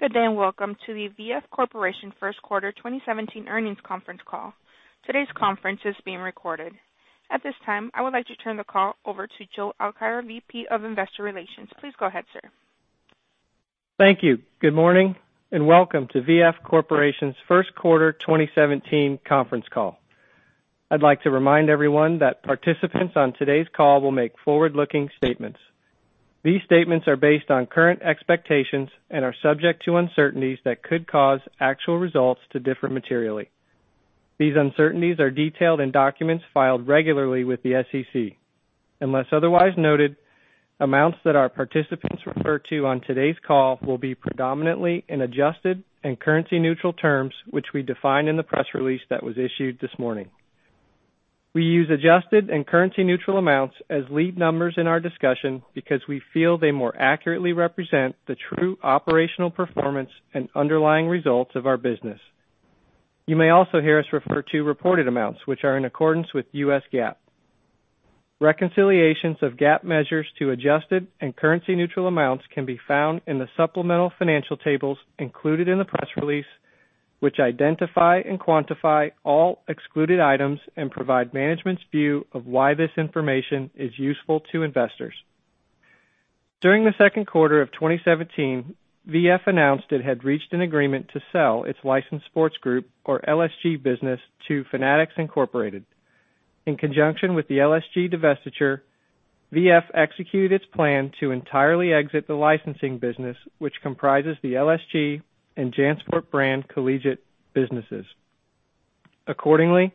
Good day, and welcome to the V.F. Corporation first quarter 2017 earnings conference call. Today's conference is being recorded. At this time, I would like to turn the call over to Joe Alkire, VP of Investor Relations. Please go ahead, sir. Thank you. Good morning, and welcome to V.F. Corporation's first quarter 2017 conference call. I'd like to remind everyone that participants on today's call will make forward-looking statements. These statements are based on current expectations and are subject to uncertainties that could cause actual results to differ materially. These uncertainties are detailed in documents filed regularly with the SEC. Unless otherwise noted, amounts that our participants refer to on today's call will be predominantly in adjusted and currency-neutral terms, which we define in the press release that was issued this morning. We use adjusted and currency-neutral amounts as lead numbers in our discussion because we feel they more accurately represent the true operational performance and underlying results of our business. You may also hear us refer to reported amounts, which are in accordance with U.S. GAAP. Reconciliations of GAAP measures to adjusted and currency-neutral amounts can be found in the supplemental financial tables included in the press release, which identify and quantify all excluded items and provide management's view of why this information is useful to investors. During the second quarter of 2017, V.F. announced it had reached an agreement to sell its Licensed Sports Group, or LSG, business to Fanatics Incorporated. In conjunction with the LSG divestiture, V.F. executed its plan to entirely exit the licensing business, which comprises the LSG and JanSport brand collegiate businesses. Accordingly,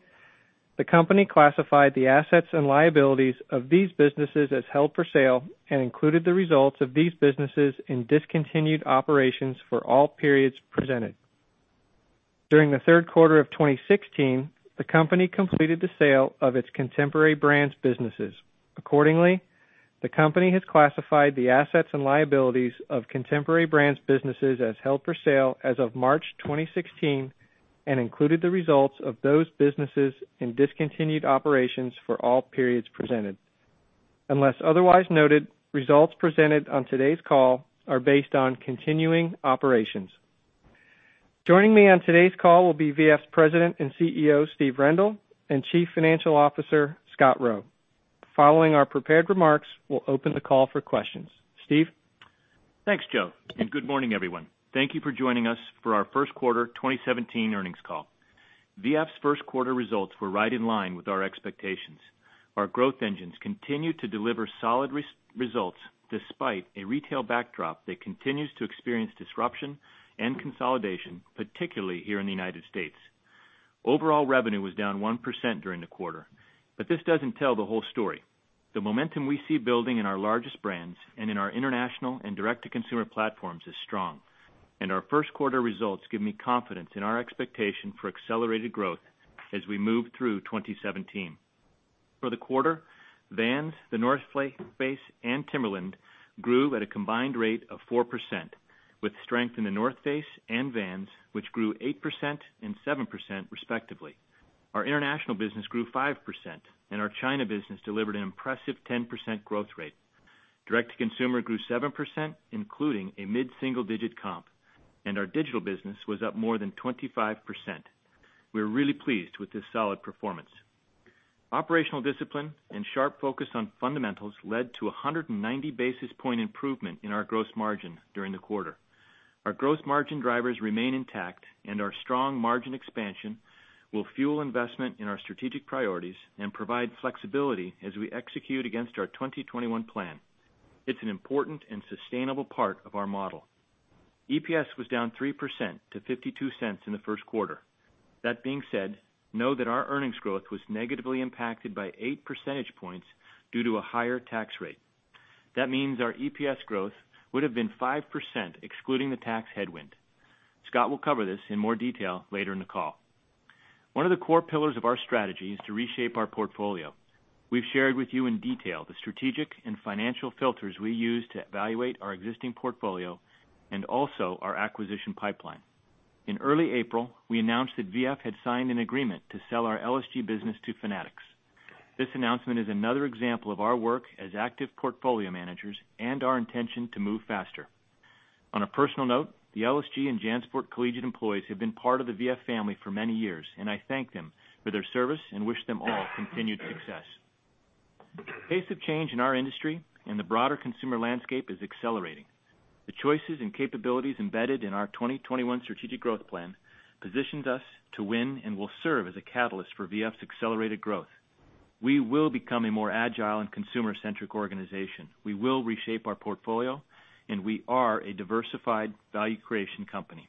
the company classified the assets and liabilities of these businesses as held for sale and included the results of these businesses in discontinued operations for all periods presented. During the third quarter of 2016, the company completed the sale of its Contemporary Brands businesses. Accordingly, the company has classified the assets and liabilities of Contemporary Brands businesses as held for sale as of March 2016 and included the results of those businesses in discontinued operations for all periods presented. Unless otherwise noted, results presented on today's call are based on continuing operations. Joining me on today's call will be V.F.'s President and CEO, Steve Rendle, and Chief Financial Officer, Scott Roe. Following our prepared remarks, we'll open the call for questions. Steve? Thanks, Joe, and good morning, everyone. Thank you for joining us for our first quarter 2017 earnings call. V.F.'s first quarter results were right in line with our expectations. Our growth engines continued to deliver solid results despite a retail backdrop that continues to experience disruption and consolidation, particularly here in the United States. Overall revenue was down 1% during the quarter. This doesn't tell the whole story. The momentum we see building in our largest brands and in our international and direct-to-consumer platforms is strong, and our first quarter results give me confidence in our expectation for accelerated growth as we move through 2017. For the quarter, Vans, The North Face, and Timberland grew at a combined rate of 4%, with strength in The North Face and Vans, which grew 8% and 7% respectively. Our international business grew 5%, and our China business delivered an impressive 10% growth rate. Direct to consumer grew 7%, including a mid-single-digit comp, and our digital business was up more than 25%. We are really pleased with this solid performance. Operational discipline and sharp focus on fundamentals led to 190 basis point improvement in our gross margin during the quarter. Our gross margin drivers remain intact, and our strong margin expansion will fuel investment in our strategic priorities and provide flexibility as we execute against our 2021 plan. It's an important and sustainable part of our model. EPS was down 3% to $0.52 in the first quarter. That being said, know that our earnings growth was negatively impacted by 8 percentage points due to a higher tax rate. That means our EPS growth would've been 5% excluding the tax headwind. Scott will cover this in more detail later in the call. One of the core pillars of our strategy is to reshape our portfolio. We've shared with you in detail the strategic and financial filters we use to evaluate our existing portfolio and also our acquisition pipeline. In early April, we announced that V.F. had signed an agreement to sell our LSG business to Fanatics. This announcement is another example of our work as active portfolio managers and our intention to move faster. On a personal note, the LSG and JanSport Collegiate employees have been part of the V.F. family for many years, and I thank them for their service and wish them all continued success. The pace of change in our industry and the broader consumer landscape is accelerating. The choices and capabilities embedded in our 2021 strategic growth plan positions us to win and will serve as a catalyst for V.F.'s accelerated growth. We will become a more agile and consumer-centric organization. We will reshape our portfolio, and we are a diversified value creation company.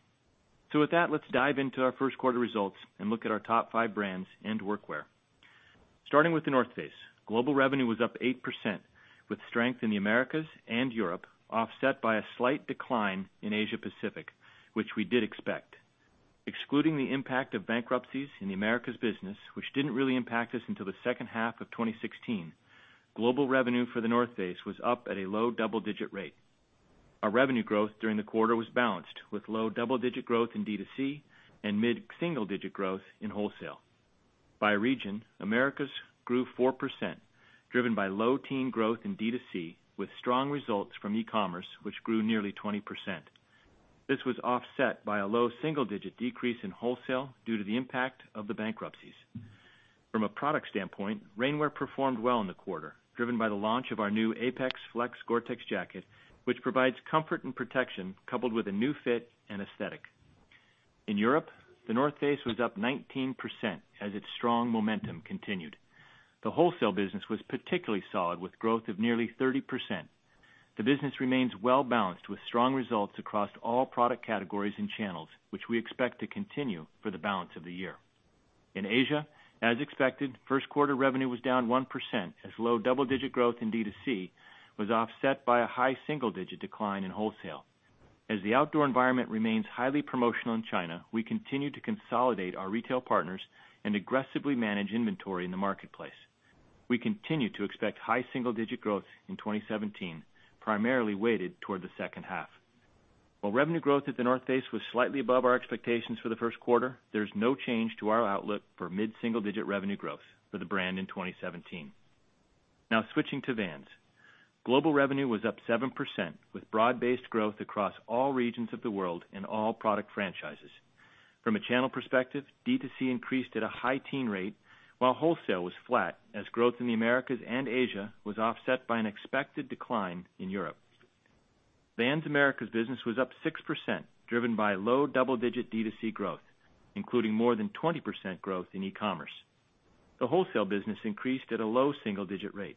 With that, let's dive into our first quarter results and look at our top five brands and workwear. Starting with The North Face. Global revenue was up 8%, with strength in the Americas and Europe offset by a slight decline in Asia Pacific, which we did expect. Excluding the impact of bankruptcies in the Americas business, which didn't really impact us until the second half of 2016, global revenue for The North Face was up at a low double-digit rate. Our revenue growth during the quarter was balanced with low double-digit growth in D2C and mid-single-digit growth in wholesale. By region, Americas grew 4%, driven by low teen growth in D2C with strong results from e-commerce, which grew nearly 20%. This was offset by a low single-digit decrease in wholesale due to the impact of the bankruptcies. From a product standpoint, rainwear performed well in the quarter, driven by the launch of our new Apex Flex GORE-TEX jacket, which provides comfort and protection coupled with a new fit and aesthetic. In Europe, The North Face was up 19% as its strong momentum continued. The wholesale business was particularly solid, with growth of nearly 30%. The business remains well-balanced with strong results across all product categories and channels, which we expect to continue for the balance of the year. In Asia, as expected, first quarter revenue was down 1% as low double-digit growth in D2C was offset by a high single-digit decline in wholesale. As the outdoor environment remains highly promotional in China, we continue to consolidate our retail partners and aggressively manage inventory in the marketplace. We continue to expect high single-digit growth in 2017, primarily weighted toward the second half. While revenue growth at The North Face was slightly above our expectations for the first quarter, there's no change to our outlook for mid-single-digit revenue growth for the brand in 2017. Now switching to Vans. Global revenue was up 7%, with broad-based growth across all regions of the world in all product franchises. From a channel perspective, D2C increased at a high teen rate while wholesale was flat, as growth in the Americas and Asia was offset by an expected decline in Europe. Vans Americas business was up 6%, driven by low double-digit D2C growth, including more than 20% growth in e-commerce. The wholesale business increased at a low single-digit rate.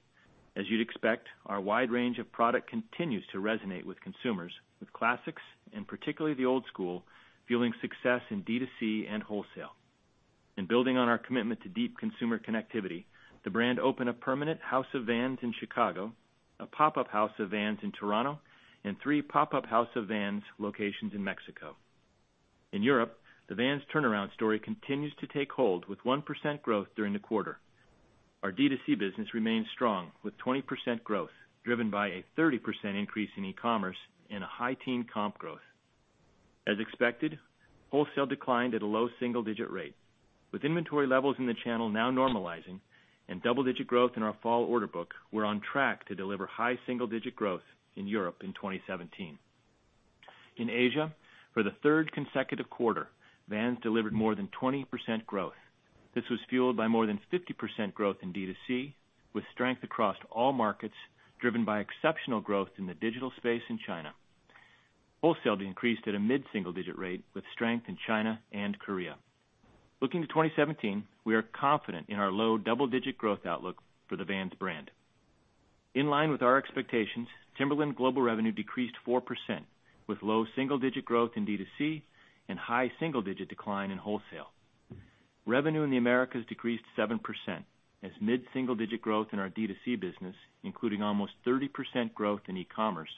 As you'd expect, our wide range of product continues to resonate with consumers, with classics, and particularly the Old Skool, fueling success in D2C and wholesale. In building on our commitment to deep consumer connectivity, the brand opened a permanent House of Vans in Chicago, a pop-up House of Vans in Toronto, and three pop-up House of Vans locations in Mexico. In Europe, the Vans turnaround story continues to take hold with 1% growth during the quarter. Our D2C business remains strong with 20% growth, driven by a 30% increase in e-commerce and a high teen comp growth. As expected, wholesale declined at a low single-digit rate. With inventory levels in the channel now normalizing and double-digit growth in our fall order book, we're on track to deliver high single-digit growth in Europe in 2017. In Asia, for the third consecutive quarter, Vans delivered more than 20% growth. This was fueled by more than 50% growth in D2C, with strength across all markets, driven by exceptional growth in the digital space in China. Wholesale increased at a mid-single-digit rate with strength in China and Korea. Looking to 2017, we are confident in our low double-digit growth outlook for the Vans brand. In line with our expectations, Timberland global revenue decreased 4%, with low single-digit growth in D2C and high single-digit decline in wholesale. Revenue in the Americas decreased 7% as mid-single-digit growth in our D2C business, including almost 30% growth in e-commerce,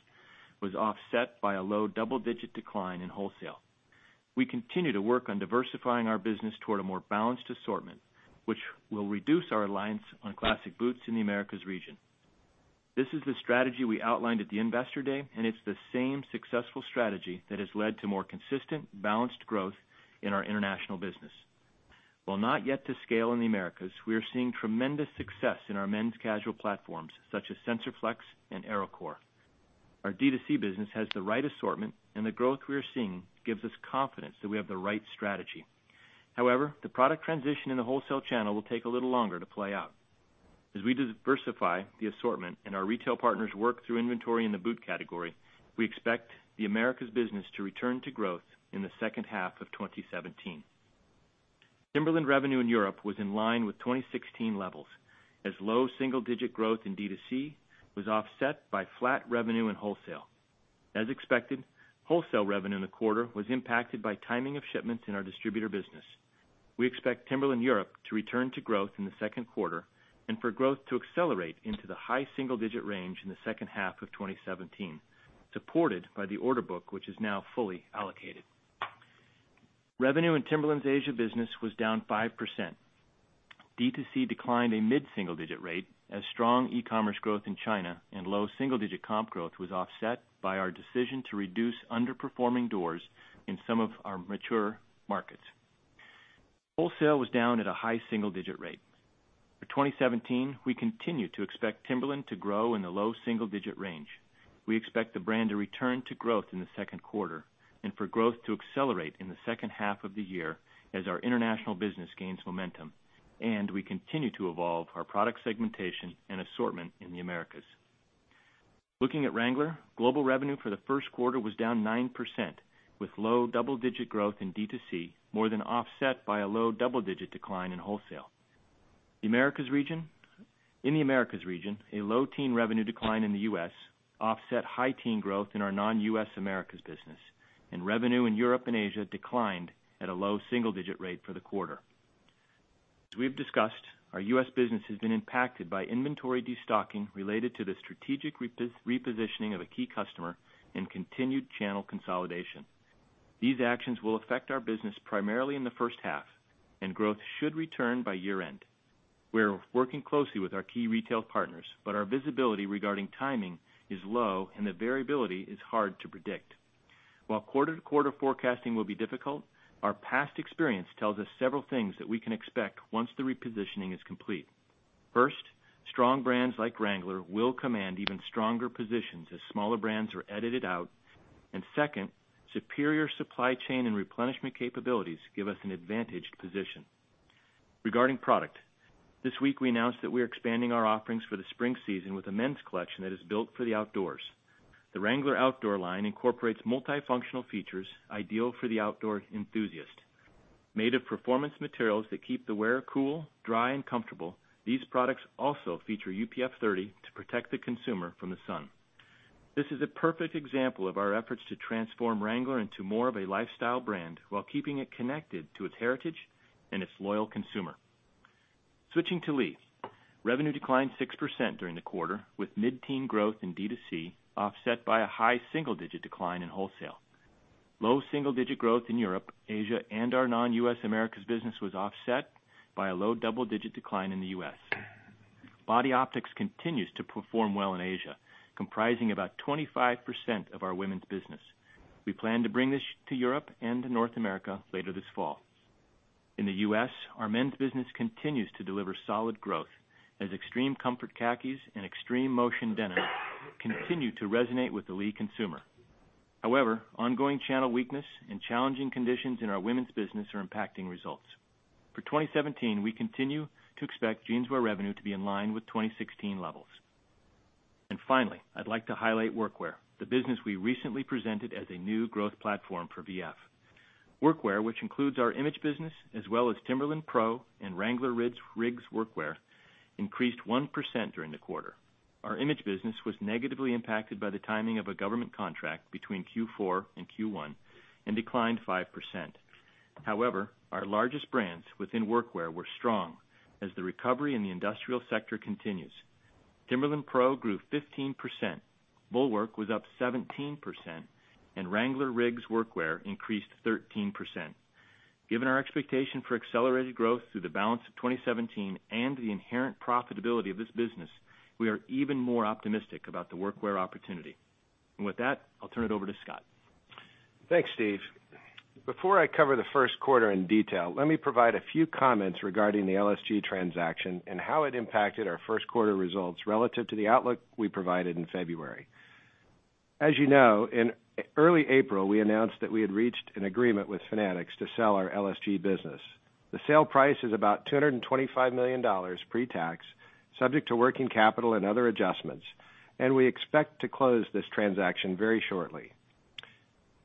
was offset by a low double-digit decline in wholesale. We continue to work on diversifying our business toward a more balanced assortment, which will reduce our reliance on classic boots in the Americas region. This is the strategy we outlined at the Investor Day, it's the same successful strategy that has led to more consistent, balanced growth in our international business. While not yet to scale in the Americas, we are seeing tremendous success in our men's casual platforms, such as SensorFlex and Aerocore. Our D2C business has the right assortment, the growth we are seeing gives us confidence that we have the right strategy. However, the product transition in the wholesale channel will take a little longer to play out. As we diversify the assortment and our retail partners work through inventory in the boot category, we expect the Americas business to return to growth in the second half of 2017. Timberland revenue in Europe was in line with 2016 levels, as low single-digit growth in D2C was offset by flat revenue in wholesale. As expected, wholesale revenue in the quarter was impacted by timing of shipments in our distributor business. We expect Timberland Europe to return to growth in the second quarter and for growth to accelerate into the high single-digit range in the second half of 2017, supported by the order book, which is now fully allocated. Revenue in Timberland's Asia business was down 5%. D2C declined a mid-single-digit rate as strong e-commerce growth in China and low single-digit comp growth was offset by our decision to reduce underperforming doors in some of our mature markets. Wholesale was down at a high single-digit rate. For 2017, we continue to expect Timberland to grow in the low single-digit range. We expect the brand to return to growth in the second quarter and for growth to accelerate in the second half of the year as our international business gains momentum, we continue to evolve our product segmentation and assortment in the Americas. Looking at Wrangler, global revenue for the first quarter was down 9%, with low double-digit growth in D2C more than offset by a low double-digit decline in wholesale. In the Americas region, a low teen revenue decline in the U.S. offset high teen growth in our non-U.S. Americas business, revenue in Europe and Asia declined at a low single-digit rate for the quarter. As we have discussed, our U.S. business has been impacted by inventory destocking related to the strategic repositioning of a key customer and continued channel consolidation. These actions will affect our business primarily in the first half, growth should return by year-end. We're working closely with our key retail partners, our visibility regarding timing is low, the variability is hard to predict. While quarter-to-quarter forecasting will be difficult, our past experience tells us several things that we can expect once the repositioning is complete. First, strong brands like Wrangler will command even stronger positions as smaller brands are edited out. Second, superior supply chain and replenishment capabilities give us an advantaged position. Regarding product, this week we announced that we're expanding our offerings for the spring season with a men's collection that is built for the outdoors. The Wrangler Outdoor line incorporates multifunctional features ideal for the outdoor enthusiast. Made of performance materials that keep the wearer cool, dry, and comfortable, these products also feature UPF 30 to protect the consumer from the sun. This is a perfect example of our efforts to transform Wrangler into more of a lifestyle brand while keeping it connected to its heritage and its loyal consumer. Switching to Lee. Revenue declined 6% during the quarter, with mid-teen growth in D2C offset by a high single-digit decline in wholesale. Low single-digit growth in Europe, Asia, and our non-U.S. Americas business was offset by a low double-digit decline in the U.S. Body Optix continues to perform well in Asia, comprising about 25% of our women's business. We plan to bring this to Europe and to North America later this fall. In the U.S., our men's business continues to deliver solid growth as Extreme Comfort khakis and Extreme Motion denim continue to resonate with the Lee consumer. Ongoing channel weakness and challenging conditions in our women's business are impacting results. For 2017, we continue to expect jeanswear revenue to be in line with 2016 levels. Finally, I'd like to highlight workwear, the business we recently presented as a new growth platform for V.F. Workwear, which includes our image business as well as Timberland PRO and Wrangler RIGGS Workwear, increased 1% during the quarter. Our image business was negatively impacted by the timing of a government contract between Q4 and Q1 and declined 5%. Our largest brands within workwear were strong as the recovery in the industrial sector continues. Timberland PRO grew 15%, Bulwark was up 17%, and Wrangler RIGGS Workwear increased 13%. Given our expectation for accelerated growth through the balance of 2017 and the inherent profitability of this business, we are even more optimistic about the workwear opportunity. With that, I'll turn it over to Scott. Thanks, Steve. Before I cover the first quarter in detail, let me provide a few comments regarding the LSG transaction and how it impacted our first quarter results relative to the outlook we provided in February. As you know, in early April, we announced that we had reached an agreement with Fanatics to sell our LSG business. The sale price is about $225 million pre-tax, subject to working capital and other adjustments, and we expect to close this transaction very shortly.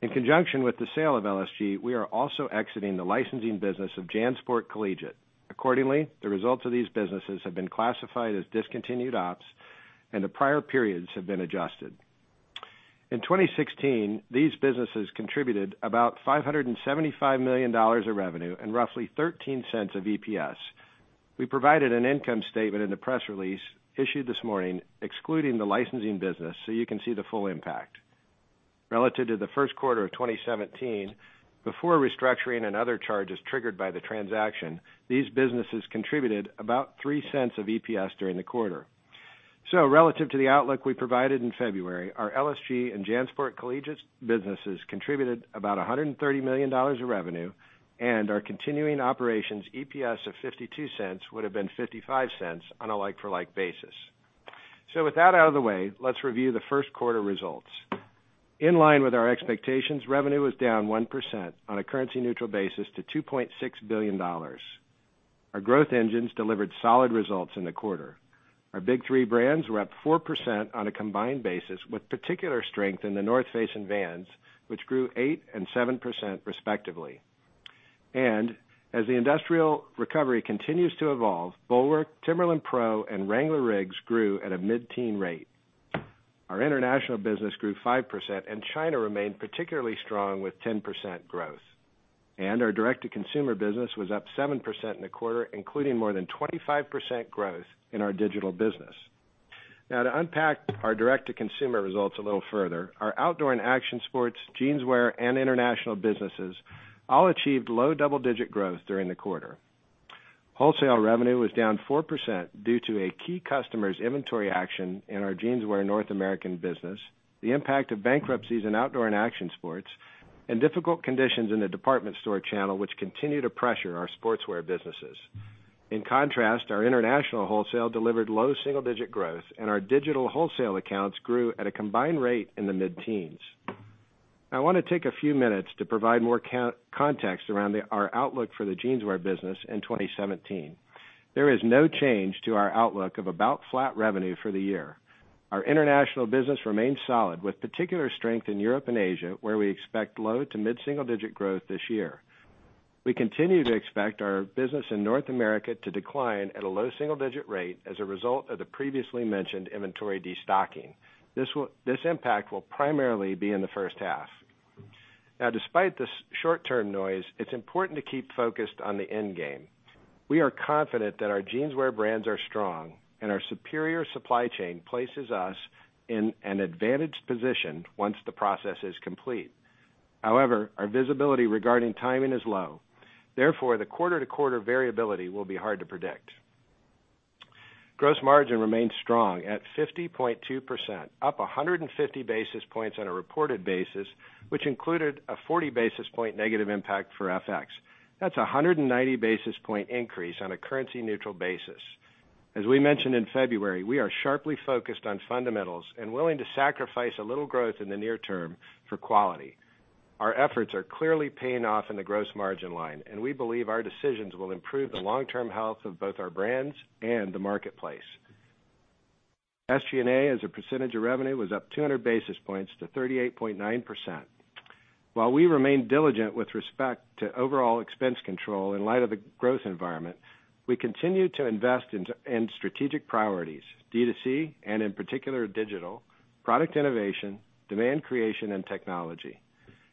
In conjunction with the sale of LSG, we are also exiting the licensing business of JanSport Collegiate. Accordingly, the results of these businesses have been classified as discontinued ops and the prior periods have been adjusted. In 2016, these businesses contributed about $575 million of revenue and roughly $0.13 of EPS. We provided an income statement in the press release issued this morning excluding the licensing business so you can see the full impact. Relative to the first quarter of 2017, before restructuring and other charges triggered by the transaction, these businesses contributed about $0.03 of EPS during the quarter. Relative to the outlook we provided in February, our LSG and JanSport Collegiate businesses contributed about $130 million of revenue and our continuing operations EPS of $0.52 would've been $0.55 on a like-for-like basis. With that out of the way, let's review the first quarter results. In line with our expectations, revenue was down 1% on a currency-neutral basis to $2.6 billion. Our growth engines delivered solid results in the quarter. Our big three brands were up 4% on a combined basis with particular strength in The North Face and Vans, which grew 8% and 7% respectively. As the industrial recovery continues to evolve, Bulwark, Timberland PRO, and Wrangler RIGGS grew at a mid-teen rate. Our international business grew 5%, China remained particularly strong with 10% growth. Our direct-to-consumer business was up 7% in the quarter, including more than 25% growth in our digital business. Now, to unpack our direct-to-consumer results a little further, our outdoor and action sports, jeanswear, and international businesses all achieved low double-digit growth during the quarter. Wholesale revenue was down 4% due to a key customer's inventory action in our jeanswear North American business, the impact of bankruptcies in outdoor and action sports, and difficult conditions in the department store channel which continue to pressure our sportswear businesses. In contrast, our international wholesale delivered low double-digit growth, our digital wholesale accounts grew at a combined rate in the mid-teens. I want to take a few minutes to provide more context around our outlook for the jeanswear business in 2017. There is no change to our outlook of about flat revenue for the year. Our international business remains solid, with particular strength in Europe and Asia, where we expect low to mid-single digit growth this year. We continue to expect our business in North America to decline at a low single-digit rate as a result of the previously mentioned inventory destocking. This impact will primarily be in the first half. Now, despite the short-term noise, it's important to keep focused on the end game. We are confident that our jeanswear brands are strong, our superior supply chain places us in an advantaged position once the process is complete. However, our visibility regarding timing is low. Therefore, the quarter-to-quarter variability will be hard to predict. Gross margin remains strong at 50.2%, up 150 basis points on a reported basis, which included a 40 basis point negative impact for FX. That's 190 basis point increase on a currency-neutral basis. As we mentioned in February, we are sharply focused on fundamentals and willing to sacrifice a little growth in the near term for quality. Our efforts are clearly paying off in the gross margin line, we believe our decisions will improve the long-term health of both our brands and the marketplace. SG&A as a percentage of revenue was up 200 basis points to 38.9%. While we remain diligent with respect to overall expense control in light of the growth environment, we continue to invest in strategic priorities, D2C, and in particular, digital, product innovation, demand creation, and technology.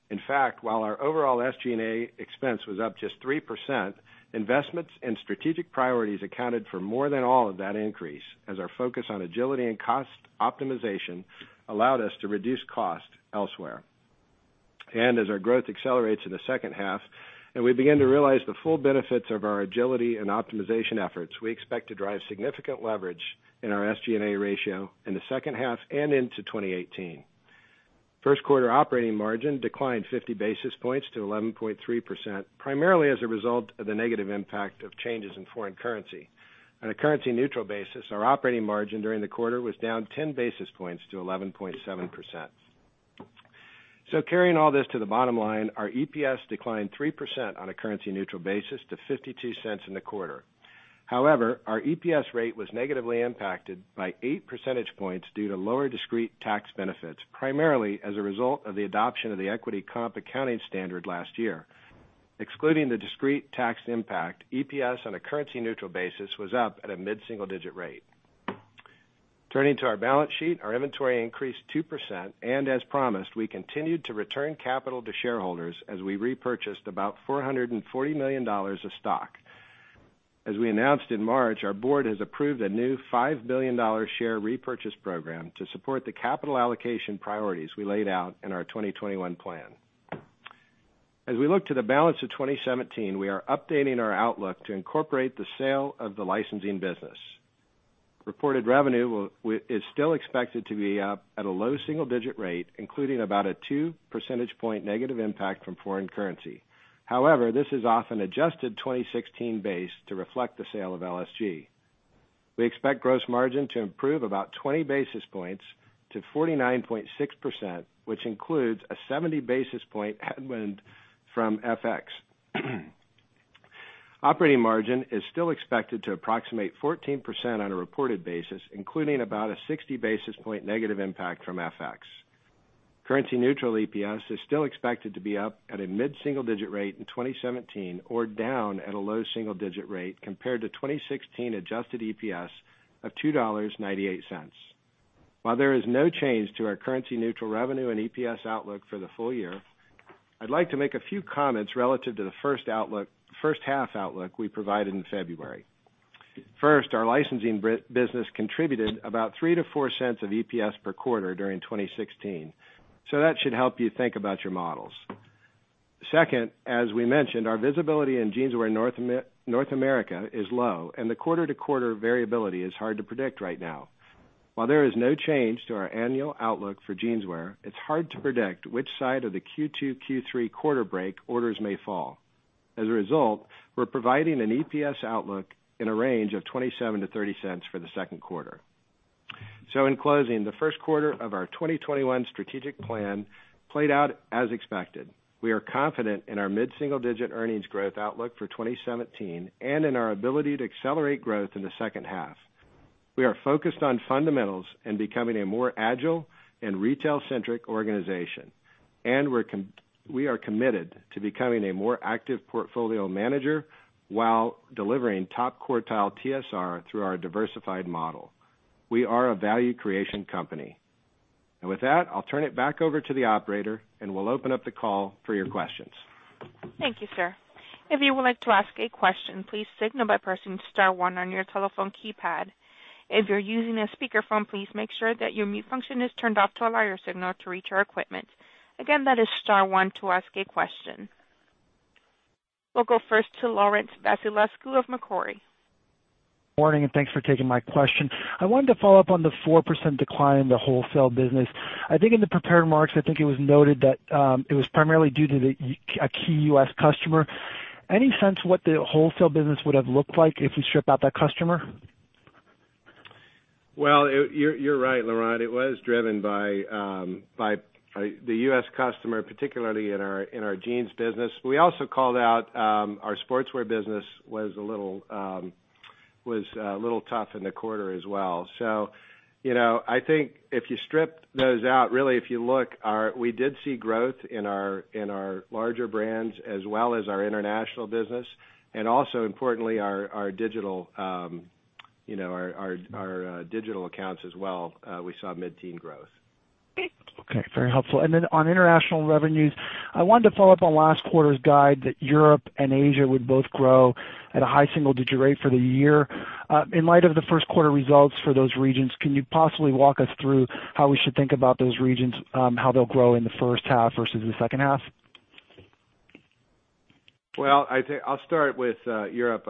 In fact, while our overall SG&A expense was up just 3%, investments in strategic priorities accounted for more than all of that increase, as our focus on agility and cost optimization allowed us to reduce cost elsewhere. As our growth accelerates in the second half and we begin to realize the full benefits of our agility and optimization efforts, we expect to drive significant leverage in our SG&A ratio in the second half and into 2018. First quarter operating margin declined 50 basis points to 11.3%, primarily as a result of the negative impact of changes in foreign currency. On a currency-neutral basis, our operating margin during the quarter was down 10 basis points to 11.7%. Carrying all this to the bottom line, our EPS declined 3% on a currency-neutral basis to $0.52 in the quarter. However, our EPS rate was negatively impacted by 8 percentage points due to lower discrete tax benefits, primarily as a result of the adoption of the equity comp accounting standard last year. Excluding the discrete tax impact, EPS on a currency-neutral basis was up at a mid-single-digit rate. Turning to our balance sheet, our inventory increased 2%, and as promised, we continued to return capital to shareholders as we repurchased about $440 million of stock. As we announced in March, our board has approved a new $5 billion share repurchase program to support the capital allocation priorities we laid out in our 2021 plan. As we look to the balance of 2017, we are updating our outlook to incorporate the sale of the licensing business. Reported revenue is still expected to be up at a low single-digit rate, including about a 2 percentage point negative impact from foreign currency. However, this is off an adjusted 2016 base to reflect the sale of LSG. We expect gross margin to improve about 20 basis points to 49.6%, which includes a 70 basis point headwind from FX. Operating margin is still expected to approximate 14% on a reported basis, including about a 60 basis point negative impact from FX. Currency-neutral EPS is still expected to be up at a mid-single-digit rate in 2017 or down at a low single-digit rate compared to 2016 adjusted EPS of $2.98. While there is no change to our currency-neutral revenue and EPS outlook for the full year, I'd like to make a few comments relative to the first half outlook we provided in February. First, our licensing business contributed about $0.03-$0.04 of EPS per quarter during 2016. That should help you think about your models. Second, as we mentioned, our visibility in jeanswear North America is low, and the quarter-to-quarter variability is hard to predict right now. While there is no change to our annual outlook for jeanswear, it's hard to predict which side of the Q2-Q3 quarter break orders may fall. As a result, we're providing an EPS outlook in a range of $0.27-$0.30 for the second quarter. In closing, the first quarter of our 2021 strategic plan played out as expected. We are confident in our mid-single-digit earnings growth outlook for 2017 and in our ability to accelerate growth in the second half. We are focused on fundamentals and becoming a more agile and retail-centric organization. We are committed to becoming a more active portfolio manager while delivering top-quartile TSR through our diversified model. We are a value creation company. With that, I'll turn it back over to the operator, and we'll open up the call for your questions. Thank you, sir. If you would like to ask a question, please signal by pressing *1 on your telephone keypad. If you're using a speakerphone, please make sure that your mute function is turned off to allow your signal to reach our equipment. Again, that is *1 to ask a question. We'll go first to Laurent Vasilescu of Macquarie. Morning, thanks for taking my question. I wanted to follow up on the 4% decline in the wholesale business. I think in the prepared remarks, I think it was noted that it was primarily due to a key U.S. customer. Any sense what the wholesale business would have looked like if you strip out that customer? Well, you're right, Laurent. It was driven by the U.S. customer, particularly in our jeans business. We also called out our sportswear business was a little tough in the quarter as well. I think if you strip those out, really, if you look, we did see growth in our larger brands as well as our international business, also importantly, our digital accounts as well. We saw mid-teen growth. Okay. Very helpful. Then on international revenues, I wanted to follow up on last quarter's guide that Europe and Asia would both grow at a high single-digit rate for the year. In light of the first quarter results for those regions, can you possibly walk us through how we should think about those regions, how they'll grow in the first half versus the second half? I'll start with Europe.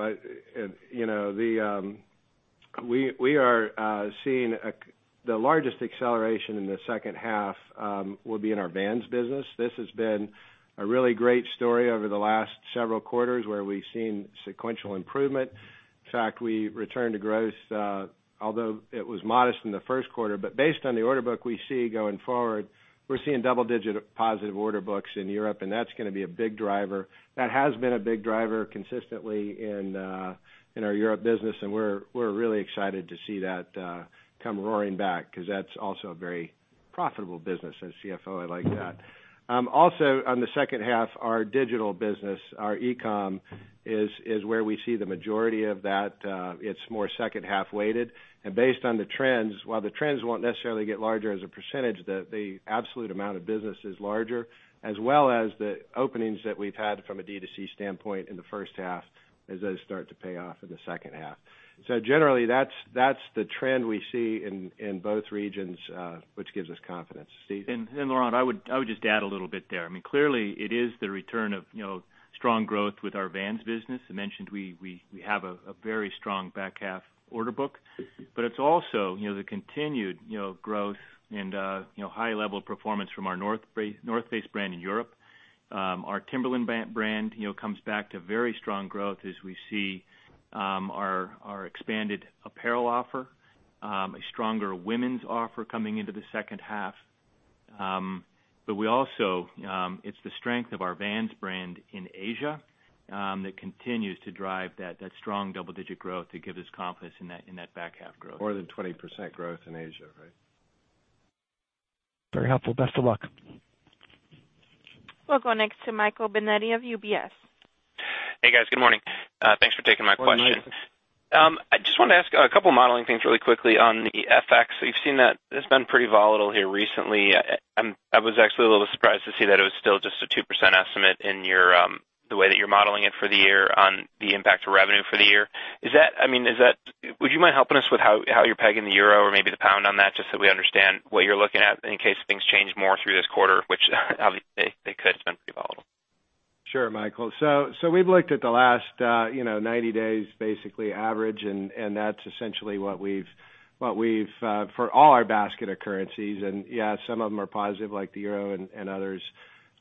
We are seeing the largest acceleration in the second half will be in our Vans business. This has been a really great story over the last several quarters, where we've seen sequential improvement. In fact, we returned to growth, although it was modest in the first quarter. Based on the order book we see going forward, we're seeing double-digit positive order books in Europe, and that's going to be a big driver. That has been a big driver consistently in our Europe business, and we're really excited to see that come roaring back because that's also a very profitable business. As CFO, I like that. On the second half, our digital business, our e-com, is where we see the majority of that. It's more second-half weighted. Based on the trends, while the trends won't necessarily get larger as a percentage, the absolute amount of business is larger, as well as the openings that we've had from a D2C standpoint in the first half as those start to pay off in the second half. Generally, that's the trend we see in both regions, which gives us confidence. Steve? Laurent, I would just add a little bit there. Clearly it is the return of strong growth with our Vans business. I mentioned we have a very strong back half order book. It's also the continued growth and high level of performance from our North Face brand in Europe. Our Timberland brand comes back to very strong growth as we see our expanded apparel offer, a stronger women's offer coming into the second half. Also, it's the strength of our Vans brand in Asia that continues to drive that strong double-digit growth that gives us confidence in that back half growth. More than 20% growth in Asia, right? Very helpful. Best of luck. We'll go next to Michael Binetti of UBS. Hey, guys. Good morning. Thanks for taking my question. Good morning. I just wanted to ask a couple modeling things really quickly on the FX. We've seen that it's been pretty volatile here recently. I was actually a little surprised to see that it was still just a 2% estimate in the way that you're modeling it for the year on the impact to revenue for the year. Would you mind helping us with how you're pegging the euro or maybe the pound on that, just so we understand what you're looking at in case things change more through this quarter, which obviously they could. It's been pretty volatile. Sure, Michael. We've looked at the last 90 days, basically average, and that's essentially what we've for all our basket of currencies. Yeah, some of them are positive, like the euro and others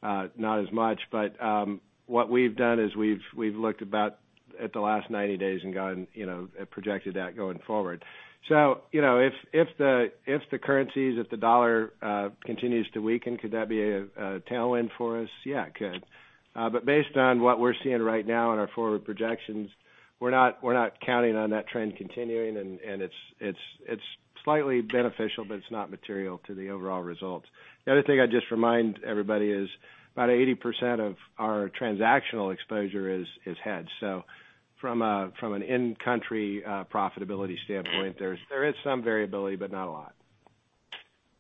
not as much. What we've done is we've looked about at the last 90 days and projected that going forward. If the currencies, if the dollar continues to weaken, could that be a tailwind for us? Yeah, it could. Based on what we're seeing right now in our forward projections, we're not counting on that trend continuing, and it's slightly beneficial, but it's not material to the overall results. The other thing I'd just remind everybody is about 80% of our transactional exposure is hedged. From an in-country profitability standpoint, there is some variability, but not a lot.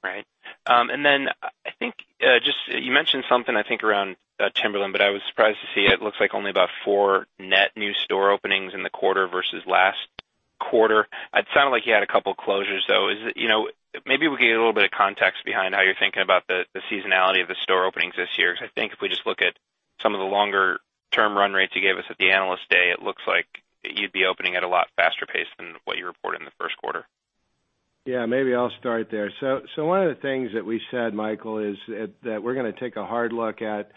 Right. Then I think you mentioned something, I think, around Timberland, but I was surprised to see it looks like only about four net new store openings in the quarter versus last quarter. It sounded like you had a couple closures, though. Maybe we can get a little bit of context behind how you're thinking about the seasonality of the store openings this year. Because I think if we just look at some of the longer-term run rates you gave us at the Investor Day, it looks like you'd be opening at a lot faster pace than what you reported in the first quarter. Yeah, maybe I'll start there. One of the things that we said, Michael, is that we're going to take a hard look at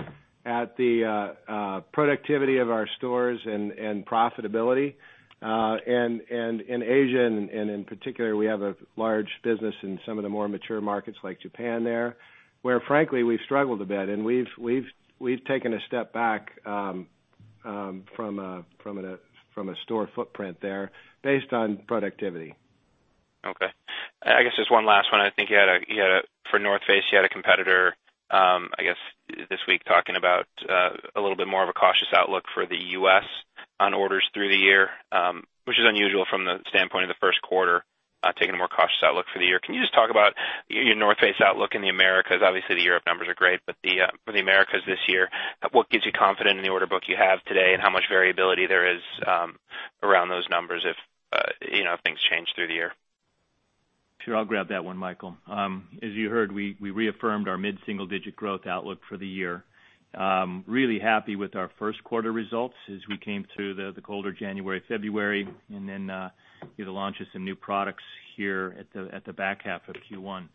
the productivity of our stores and profitability. In Asia, in particular, we have a large business in some of the more mature markets like Japan there, where frankly, we've struggled a bit, and we've taken a step back from a store footprint there based on productivity. Okay. I guess just one last one. I think for The North Face, you had a competitor, I guess, this week talking about a little bit more of a cautious outlook for the U.S. on orders through the year, which is unusual from the standpoint of the first quarter, taking a more cautious outlook for the year. Can you just talk about your The North Face outlook in the Americas? Obviously, the Europe numbers are great, for the Americas this year, what gives you confidence in the order book you have today, and how much variability there is around those numbers if things change through the year? Sure. I'll grab that one, Michael. As you heard, we reaffirmed our mid-single-digit growth outlook for the year. Really happy with our first quarter results as we came through the colder January, February, and then the launch of some new products here at the back half of Q1.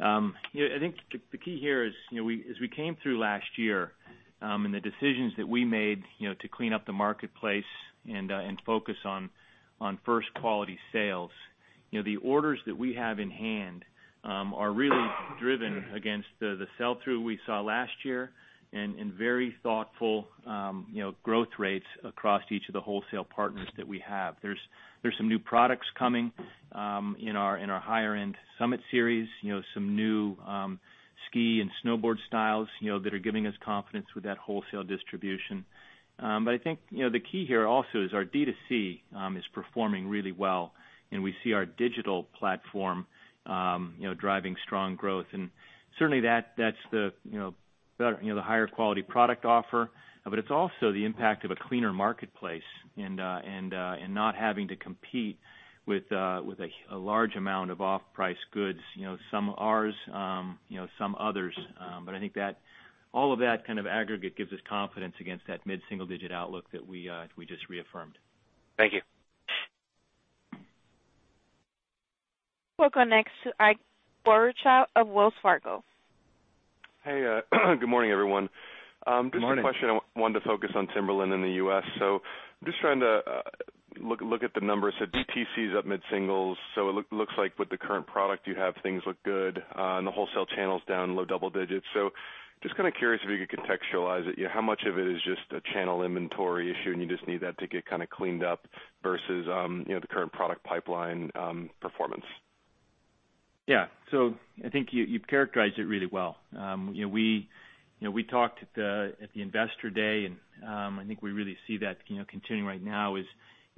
I think the key here is, as we came through last year and the decisions that we made to clean up the marketplace and focus on first quality sales, the orders that we have in hand are really driven against the sell-through we saw last year and in very thoughtful growth rates across each of the wholesale partners that we have. There's some new products coming in our higher-end Summit Series, some new ski and snowboard styles that are giving us confidence with that wholesale distribution. I think the key here also is our D2C is performing really well, and we see our digital platform driving strong growth. Certainly, that's the higher quality product offer. It's also the impact of a cleaner marketplace and not having to compete with a large amount of off-price goods. Some ours, some others. I think all of that kind of aggregate gives us confidence against that mid-single-digit outlook that we just reaffirmed. Thank you. We'll go next to Ike Boruchow of Wells Fargo. Hey, good morning, everyone. Good morning. Just a question, I wanted to focus on Timberland in the U.S. Just trying to look at the numbers. DTC is up mid-singles. It looks like with the current product you have, things look good. The wholesale channel's down low double digits. Just curious if you could contextualize it. How much of it is just a channel inventory issue, and you just need that to get cleaned up versus the current product pipeline performance? Yeah. I think you've characterized it really well. We talked at the Investor Day, and I think we really see that continuing right now is,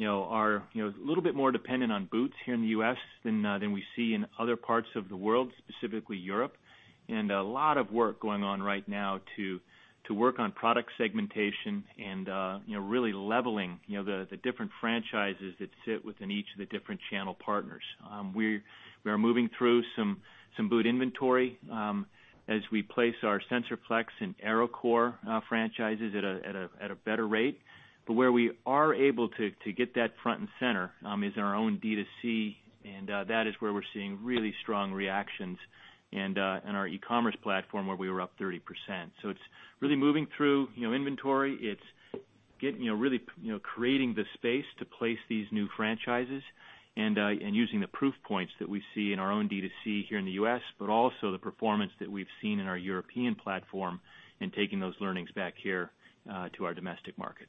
our a little bit more dependent on boots here in the U.S. than we see in other parts of the world, specifically Europe. A lot of work going on right now to work on product segmentation and really leveling the different franchises that sit within each of the different channel partners. We are moving through some boot inventory as we place our SensorFlex and Aerocore franchises at a better rate. Where we are able to get that front and center is in our own D2C, and that is where we're seeing really strong reactions, and our e-commerce platform where we were up 30%. It's really moving through inventory. It's really creating the space to place these new franchises and using the proof points that we see in our own D2C here in the U.S., but also the performance that we've seen in our European platform and taking those learnings back here to our domestic market.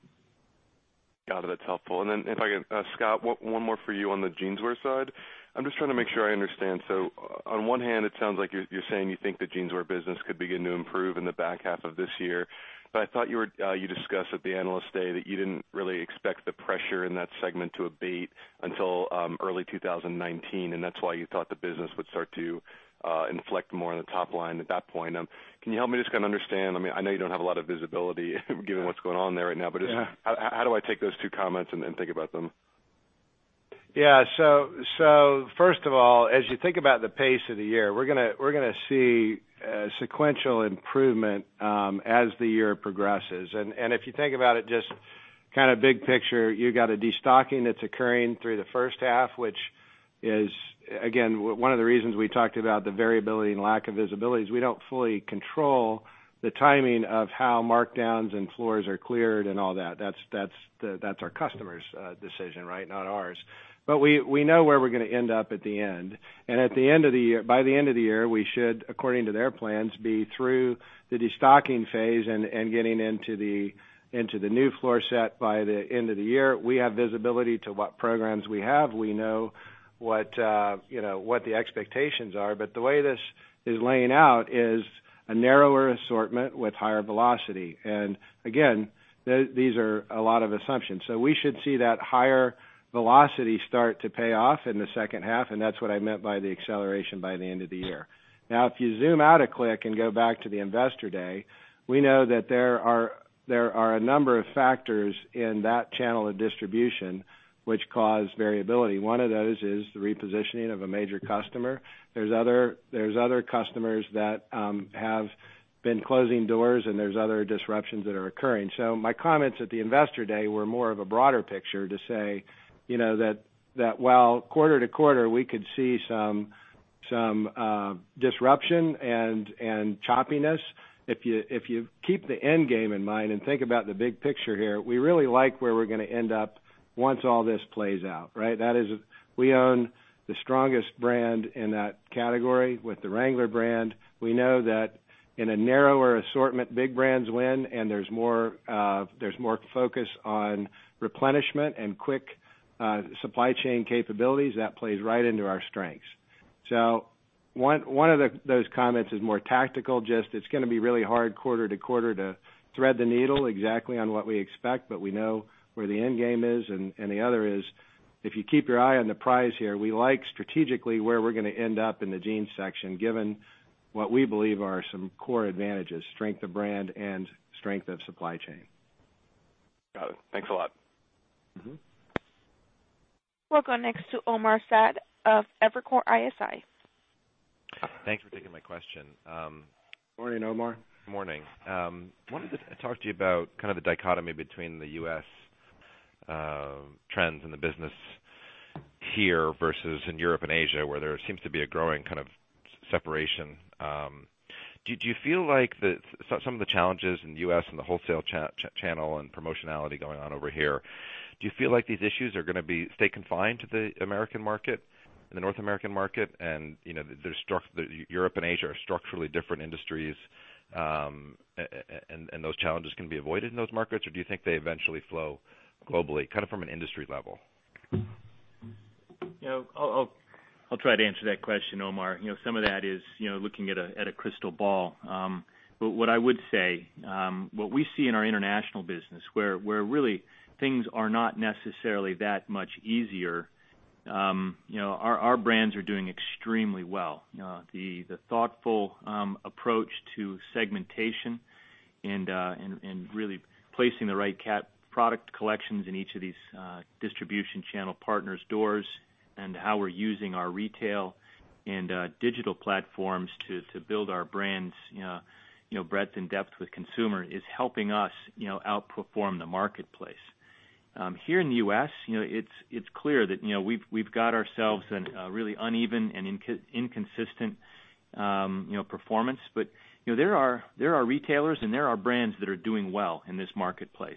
Got it. That's helpful. If I could, Scott, one more for you on the jeanswear side. I'm just trying to make sure I understand. On one hand, it sounds like you're saying you think the jeanswear business could begin to improve in the back half of this year. I thought you discussed at the Analyst Day that you didn't really expect the pressure in that segment to abate until early 2019, and that's why you thought the business would start to inflect more on the top line at that point. Can you help me just understand? I know you don't have a lot of visibility given what's going on there right now. Yeah. Just how do I take those two comments and think about them? First of all, as you think about the pace of the year, we're going to see sequential improvement as the year progresses. If you think about it, just big picture, you've got a destocking that's occurring through the first half, which is, again, one of the reasons we talked about the variability and lack of visibility is we don't fully control the timing of how markdowns and floors are cleared and all that. That's our customer's decision, not ours. By the end of the year, we should, according to their plans, be through the destocking phase and getting into the new floor set by the end of the year. We have visibility to what programs we have. We know what the expectations are. The way this is laying out is a narrower assortment with higher velocity. Again, these are a lot of assumptions. We should see that higher velocity start to pay off in the second half, and that's what I meant by the acceleration by the end of the year. If you zoom out a click and go back to the Investor Day, we know that there are a number of factors in that channel of distribution which cause variability. One of those is the repositioning of a major customer. There's other customers that have been closing doors, and there's other disruptions that are occurring. My comments at the Investor Day were more of a broader picture to say that while quarter to quarter, we could see some disruption and choppiness. If you keep the end game in mind and think about the big picture here, we really like where we're going to end up once all this plays out. We own the strongest brand in that category with the Wrangler brand. We know that in a narrower assortment, big brands win, and there's more focus on replenishment and quick supply chain capabilities. That plays right into our strengths. One of those comments is more tactical, just it's going to be really hard quarter to quarter to thread the needle exactly on what we expect, but we know where the end game is. The other is, if you keep your eye on the prize here, we like strategically where we're going to end up in the jeans section, given what we believe are some core advantages, strength of brand and strength of supply chain. Got it. Thanks a lot. We'll go next to Omar Saad of Evercore ISI. Thanks for taking my question. Morning, Omar. Morning. Wanted to talk to you about the dichotomy between the U.S. trends in the business here versus in Europe and Asia, where there seems to be a growing separation. Do you feel like some of the challenges in the U.S. and the wholesale channel and promotionality going on over here, do you feel like these issues are going to stay confined to the American market, the North American market? Europe and Asia are structurally different industries, and those challenges can be avoided in those markets, or do you think they eventually flow globally from an industry level? I'll try to answer that question, Omar. Some of that is looking at a crystal ball. What I would say, what we see in our international business, where really things are not necessarily that much easier. Our brands are doing extremely well. The thoughtful approach to segmentation and really placing the right product collections in each of these distribution channel partners' doors and how we're using our retail and digital platforms to build our brands' breadth and depth with consumer is helping us outperform the marketplace. Here in the U.S., it's clear that we've got ourselves a really uneven and inconsistent performance. There are retailers and there are brands that are doing well in this marketplace.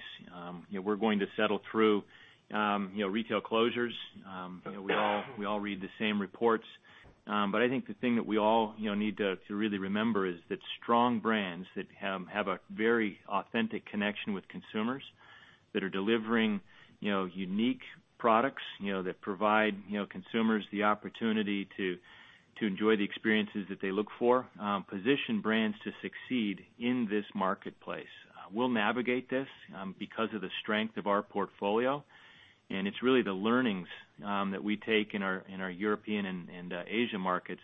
We're going to settle through retail closures. We all read the same reports. I think the thing that we all need to really remember is that strong brands that have a very authentic connection with consumers, that are delivering unique products, that provide consumers the opportunity to enjoy the experiences that they look for, position brands to succeed in this marketplace. We'll navigate this because of the strength of our portfolio. It's really the learnings that we take in our European and Asia markets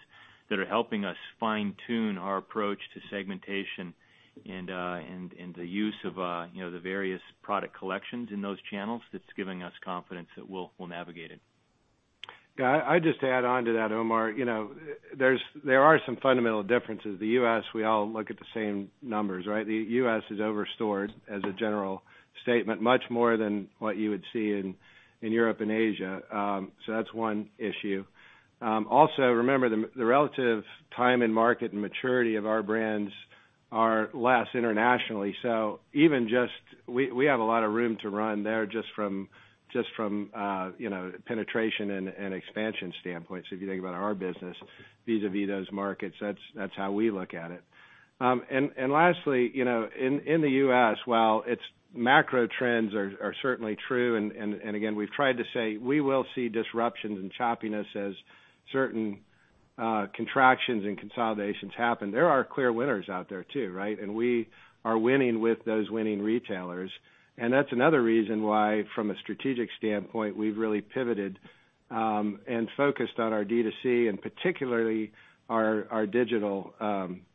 that are helping us fine-tune our approach to segmentation and the use of the various product collections in those channels that's giving us confidence that we'll navigate it. Yeah. I'd just add on to that, Omar. There are some fundamental differences. The U.S., we all look at the same numbers, right? The U.S. is over-stored, as a general statement, much more than what you would see in Europe and Asia. That's one issue. Also, remember, the relative time in market and maturity of our brands are less internationally. We have a lot of room to run there just from penetration and expansion standpoint. If you think about our business vis-à-vis those markets, that's how we look at it. Lastly, in the U.S., while its macro trends are certainly true, and again, we've tried to say we will see disruptions and choppiness as certain contractions and consolidations happen. There are clear winners out there too. We are winning with those winning retailers. That's another reason why, from a strategic standpoint, we've really pivoted and focused on our D2C, and particularly our digital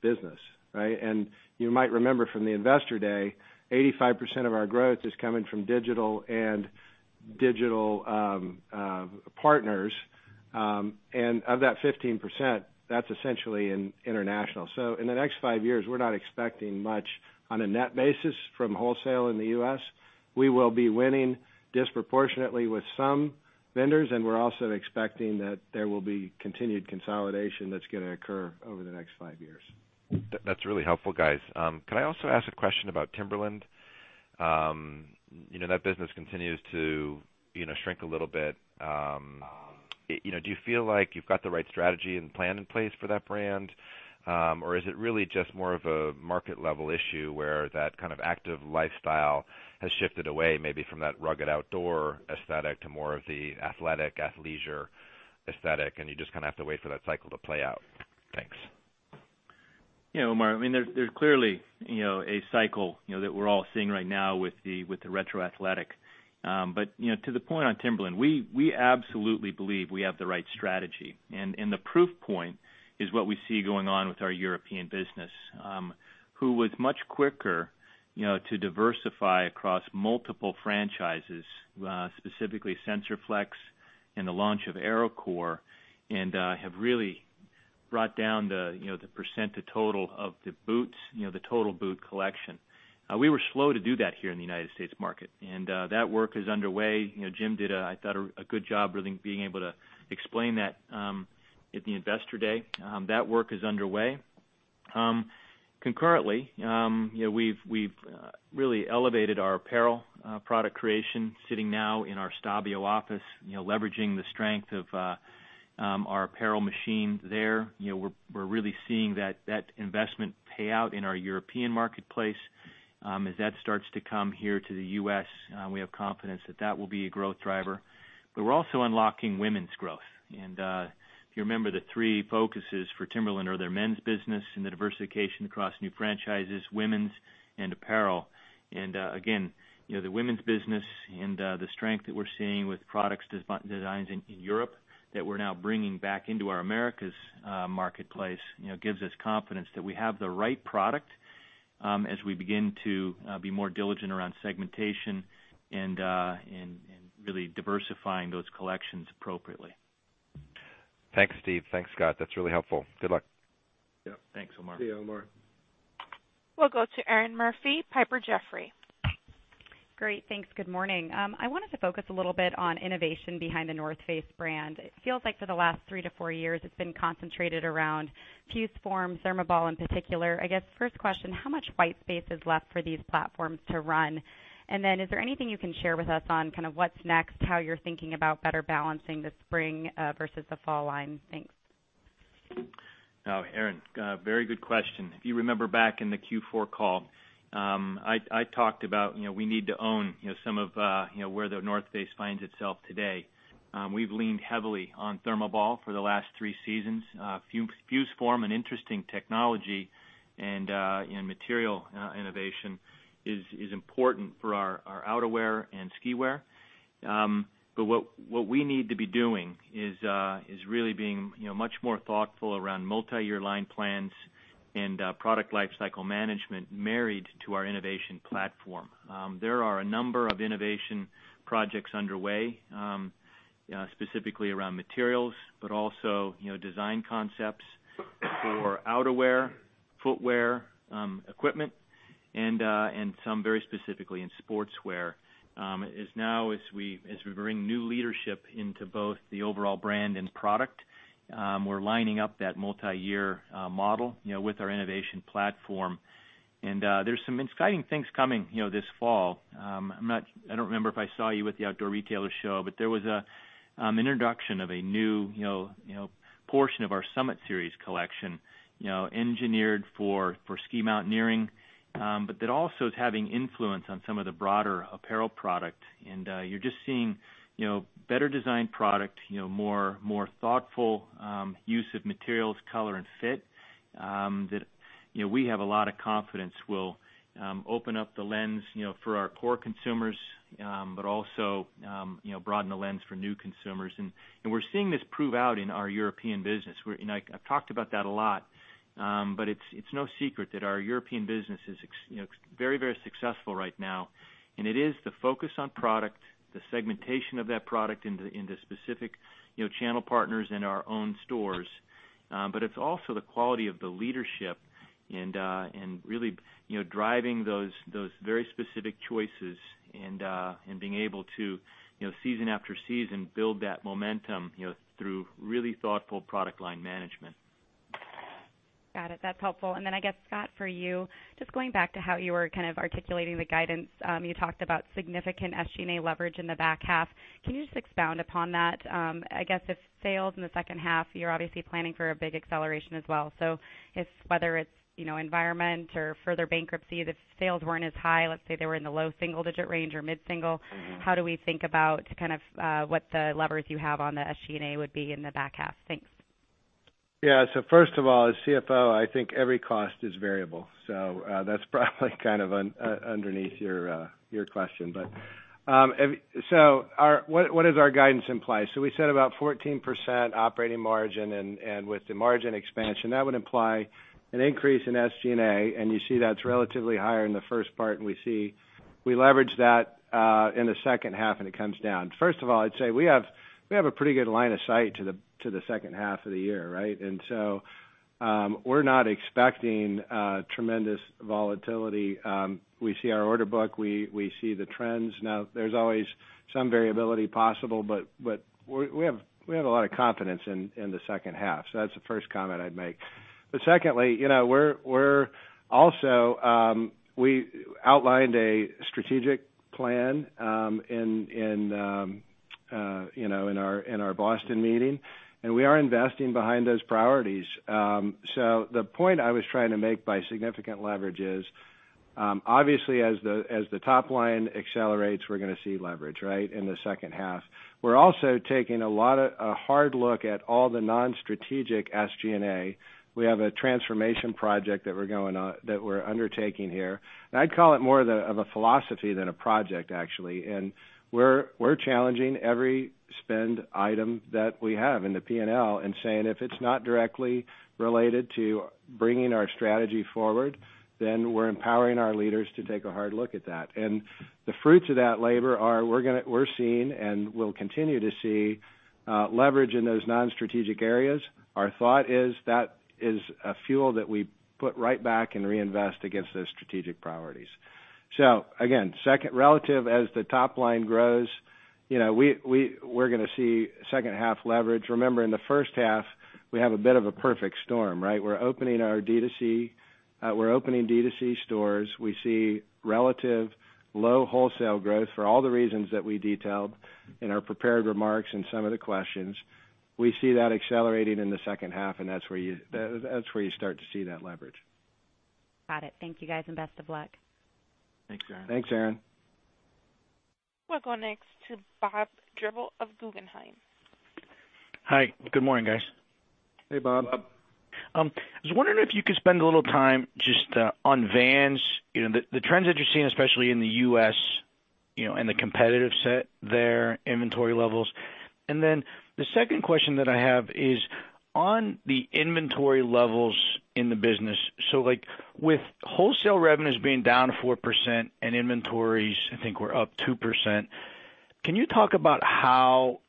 business. You might remember from the Investor Day, 85% of our growth is coming from digital and digital partners. Of that 15%, that's essentially in international. In the next five years, we're not expecting much on a net basis from wholesale in the U.S. We will be winning disproportionately with some vendors, and we're also expecting that there will be continued consolidation that's going to occur over the next five years. That is really helpful, guys. Could I also ask a question about Timberland? That business continues to shrink a little bit. Do you feel like you have got the right strategy and plan in place for that brand? Or is it really just more of a market-level issue where that kind of active lifestyle has shifted away maybe from that rugged outdoor aesthetic to more of the athletic, athleisure aesthetic, and you just kind of have to wait for that cycle to play out? Thanks. Yeah, Omar, there is clearly a cycle that we are all seeing right now with the retro athletic. To the point on Timberland, we absolutely believe we have the right strategy. The proof point is what we see going on with our European business, who was much quicker to diversify across multiple franchises, specifically SensorFlex and the launch of Aerocore, and have really brought down the % of total of the boots, the total boot collection. We were slow to do that here in the U.S. market, and that work is underway. Jim did, I thought, a good job really being able to explain that at the Investor Day. That work is underway. Concurrently, we have really elevated our apparel product creation sitting now in our Stabio office, leveraging the strength of our apparel machine there. We are really seeing that investment pay out in our European marketplace. As that starts to come here to the U.S., we have confidence that that will be a growth driver. We are also unlocking women's growth. If you remember, the three focuses for Timberland are their men's business and the diversification across new franchises, women's, and apparel. Again, the women's business and the strength that we are seeing with products designs in Europe that we are now bringing back into our Americas marketplace gives us confidence that we have the right product as we begin to be more diligent around segmentation and really diversifying those collections appropriately. Thanks, Steve. Thanks, Scott. That is really helpful. Good luck. Yep. Thanks, Omar. See you, Omar. We'll go to Erinn Murphy, Piper Jaffray. Great. Thanks. Good morning. I wanted to focus a little bit on innovation behind The North Face brand. It feels like for the last three to four years, it's been concentrated around FuseForm, ThermoBall in particular. I guess, first question, how much white space is left for these platforms to run? Is there anything you can share with us on kind of what's next? How you're thinking about better balancing the spring versus the fall line? Thanks. Erinn, very good question. If you remember back in the Q4 call, I talked about we need to own some of where The North Face finds itself today. We’ve leaned heavily on ThermoBall for the last three seasons. FuseForm, an interesting technology and material innovation, is important for our outerwear and skiwear. What we need to be doing is really being much more thoughtful around multi-year line plans and product life cycle management married to our innovation platform. There are a number of innovation projects underway. Specifically around materials, but also design concepts for outerwear, footwear, equipment, and some very specifically in sportswear. As we bring new leadership into both the overall brand and product, we’re lining up that multi-year model with our innovation platform. There’s some exciting things coming this fall. I don’t remember if I saw you at the Outdoor Retailer show, but there was an introduction of a new portion of our Summit Series collection, engineered for ski mountaineering, but that also is having influence on some of the broader apparel product. You’re just seeing better designed product, more thoughtful use of materials, color, and fit, that we have a lot of confidence will open up the lens for our core consumers, but also broaden the lens for new consumers. We’re seeing this prove out in our European business. I’ve talked about that a lot. It’s no secret that our European business is very successful right now. It is the focus on product, the segmentation of that product into specific channel partners in our own stores. It’s also the quality of the leadership and really driving those very specific choices and being able to, season after season, build that momentum through really thoughtful product line management. Got it. That’s helpful. Then I guess, Scott, for you, just going back to how you were kind of articulating the guidance. You talked about significant SG&A leverage in the back half. Can you just expound upon that? I guess if sales in the second half, you’re obviously planning for a big acceleration as well. Whether it’s environment or further bankruptcy, if sales weren’t as high, let’s say they were in the low single-digit range or mid-single. How do we think about kind of what the levers you have on the SG&A would be in the back half? Thanks. Yeah. First of all, as CFO, I think every cost is variable. That's probably kind of underneath your question. What does our guidance imply? We said about 14% operating margin, and with the margin expansion, that would imply an increase in SG&A, and you see that's relatively higher in the first part, and we see we leverage that in the second half, and it comes down. First of all, I'd say we have a pretty good line of sight to the second half of the year, right? We're not expecting tremendous volatility. We see our order book, we see the trends. There's always some variability possible, but we have a lot of confidence in the second half. That's the first comment I'd make. Secondly, we outlined a strategic plan in our Boston meeting, and we are investing behind those priorities. The point I was trying to make by significant leverage is, obviously as the top line accelerates, we're going to see leverage, right? In the second half. We're also taking a hard look at all the non-strategic SG&A. We have a transformation project that we're undertaking here, and I'd call it more of a philosophy than a project, actually. We're challenging every spend item that we have in the P&L and saying, if it's not directly related to bringing our strategy forward, then we're empowering our leaders to take a hard look at that. The fruits of that labor are, we're seeing, and will continue to see, leverage in those non-strategic areas. Our thought is that is a fuel that we put right back and reinvest against those strategic priorities. Again, second relative as the top line grows, we're going to see second half leverage. Remember in the first half, we have a bit of a perfect storm, right? We're opening D2C stores. We see relative low wholesale growth for all the reasons that we detailed in our prepared remarks and some of the questions. We see that accelerating in the second half, and that's where you start to see that leverage. Got it. Thank you guys, and best of luck. Thanks, Erinn. Thanks, Erinn. We'll go next to Bob Drbul of Guggenheim. Hi. Good morning, guys. Hey, Bob. Bob. I was wondering if you could spend a little time just on Vans, the trends that you're seeing, especially in the U.S., and the competitive set there, inventory levels. The second question that I have is on the inventory levels in the business. With wholesale revenues being down 4% and inventories, I think were up 2%, can you talk about how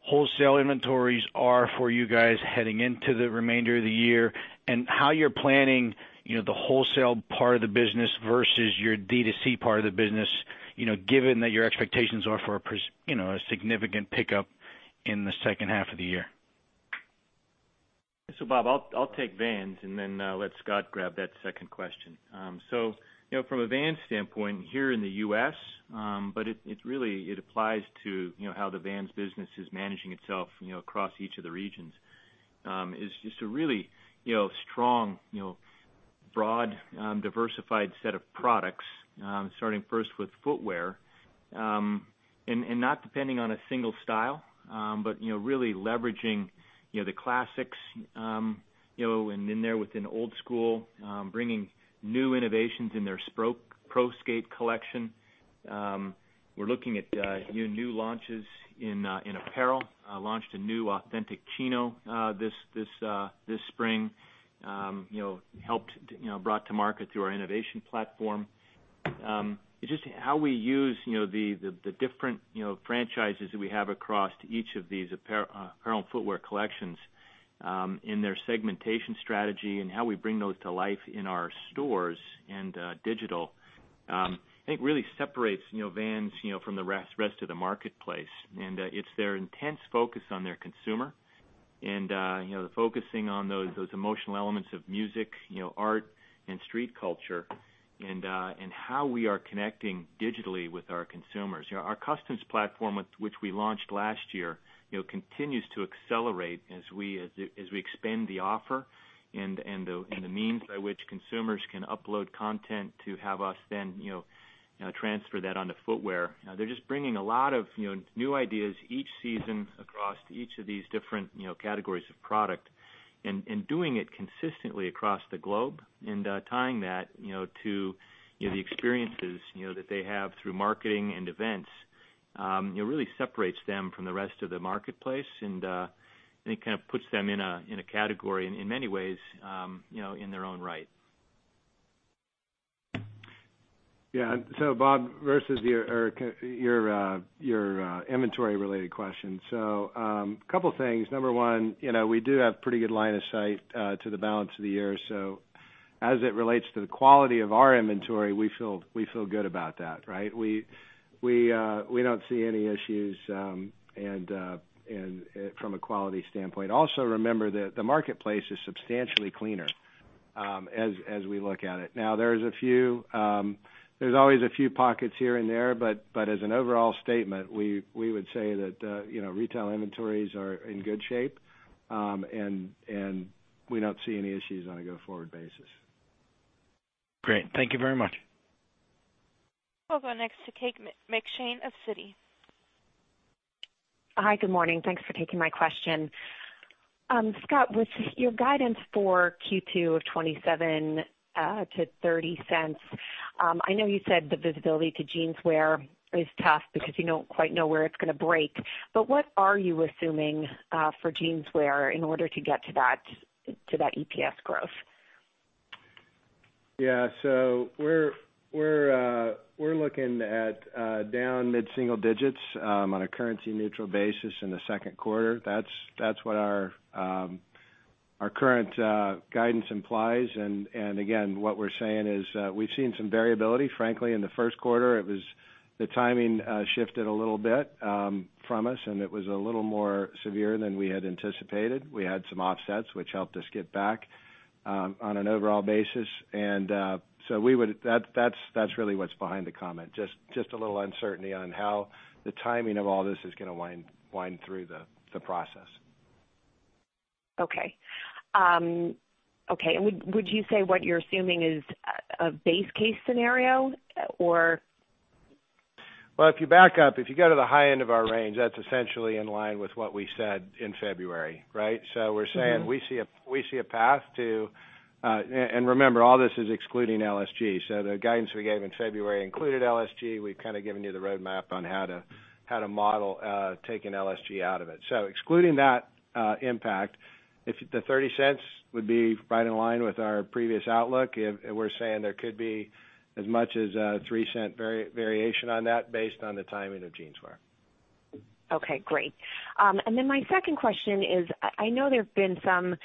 wholesale inventories are for you guys heading into the remainder of the year? How you're planning the wholesale part of the business versus your D2C part of the business, given that your expectations are for a significant pickup in the second half of the year? Bob, I'll take Vans and then let Scott grab that second question. From a Vans standpoint here in the U.S., but it applies to how the Vans business is managing itself across each of the regions. Is just a really strong broad, diversified set of products. Starting first with footwear. Not depending on a single style, but really leveraging the classics, and in there with an Old Skool, bringing new innovations in their pro skate collection. We're looking at new launches in apparel. Launched a new Authentic Chino this spring. Brought to market through our innovation platform. Just how we use the different franchises that we have across each of these apparel and footwear collections, in their segmentation strategy and how we bring those to life in our stores and digital, I think really separates Vans from the rest of the marketplace. It's their intense focus on their consumer and the focusing on those emotional elements of music, art and street culture and how we are connecting digitally with our consumers. Our Customs platform, which we launched last year, continues to accelerate as we expand the offer and the means by which consumers can upload content to have us then transfer that onto footwear. They're just bringing a lot of new ideas each season across each of these different categories of product and doing it consistently across the globe and tying that to the experiences that they have through marketing and events, really separates them from the rest of the marketplace and I think puts them in a category in many ways, in their own right. Yeah. Bob, versus your inventory related question. Couple things. Number 1, we do have pretty good line of sight to the balance of the year. As it relates to the quality of our inventory, we feel good about that, right? We don't see any issues from a quality standpoint. Also, remember the marketplace is substantially cleaner as we look at it. Now, there's always a few pockets here and there, but as an overall statement, we would say that retail inventories are in good shape, and we don't see any issues on a go-forward basis. Great. Thank you very much. We'll go next to Kate McShane of Citi. Hi. Good morning. Thanks for taking my question. Scott, with your guidance for Q2 of $0.27 to $0.30, I know you said the visibility to Jeanswear is tough because you don't quite know where it's going to break. What are you assuming for Jeanswear in order to get to that EPS growth? Yeah. We're looking at down mid-single digits on a currency neutral basis in the second quarter. That's what our current guidance implies. Again, what we're saying is, we've seen some variability, frankly, in the first quarter. The timing shifted a little bit from us, and it was a little more severe than we had anticipated. We had some offsets which helped us get back on an overall basis. That's really what's behind the comment, just a little uncertainty on how the timing of all this is going to wind through the process. Okay. Would you say what you're assuming is a base case scenario, or? Well, if you back up, if you go to the high end of our range, that's essentially in line with what we said in February, right? We're saying we see a path. Remember, all this is excluding LSG. The guidance we gave in February included LSG. We've kind of given you the roadmap on how to model taking LSG out of it. Excluding that impact, the $0.30 would be right in line with our previous outlook. We're saying there could be as much as a $0.03 variation on that based on the timing of Jeanswear. Okay. Great. My second question is, I know there have been some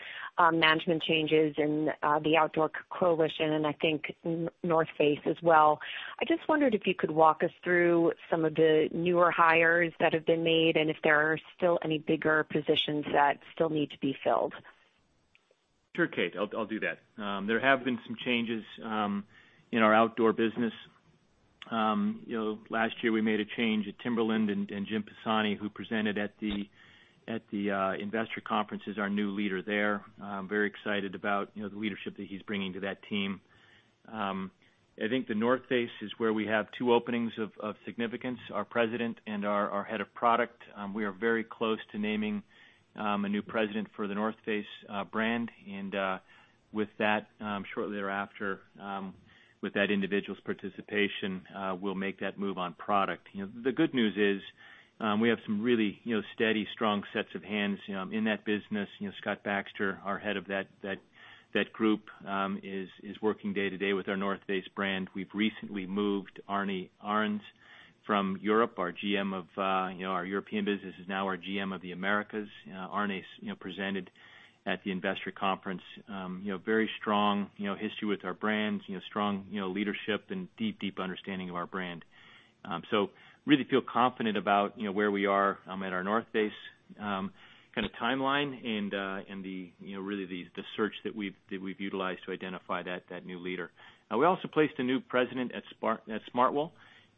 management changes in the Outdoor Coalition, and I think The North Face as well. I just wondered if you could walk us through some of the newer hires that have been made, and if there are still any bigger positions that still need to be filled. Sure, Kate, I'll do that. There have been some changes in our outdoor business. Last year we made a change at Timberland, and Jim Pisani, who presented at the investor conference, is our new leader there. Very excited about the leadership that he's bringing to that team. I think The North Face is where we have two openings of significance, our president and our head of product. We are very close to naming a new president for The North Face brand. With that, shortly thereafter, with that individual's participation, we'll make that move on product. The good news is, we have some really steady, strong sets of hands in that business. Scott Baxter, our head of that group, is working day to day with our The North Face brand. We've recently moved Arne Arens from Europe. Our GM of our European business is now our GM of the Americas. Arne has presented at the investor conference. Very strong history with our brands, strong leadership and deep understanding of our brand. Really feel confident about where we are at our The North Face timeline and really the search that we've utilized to identify that new leader. We also placed a new president at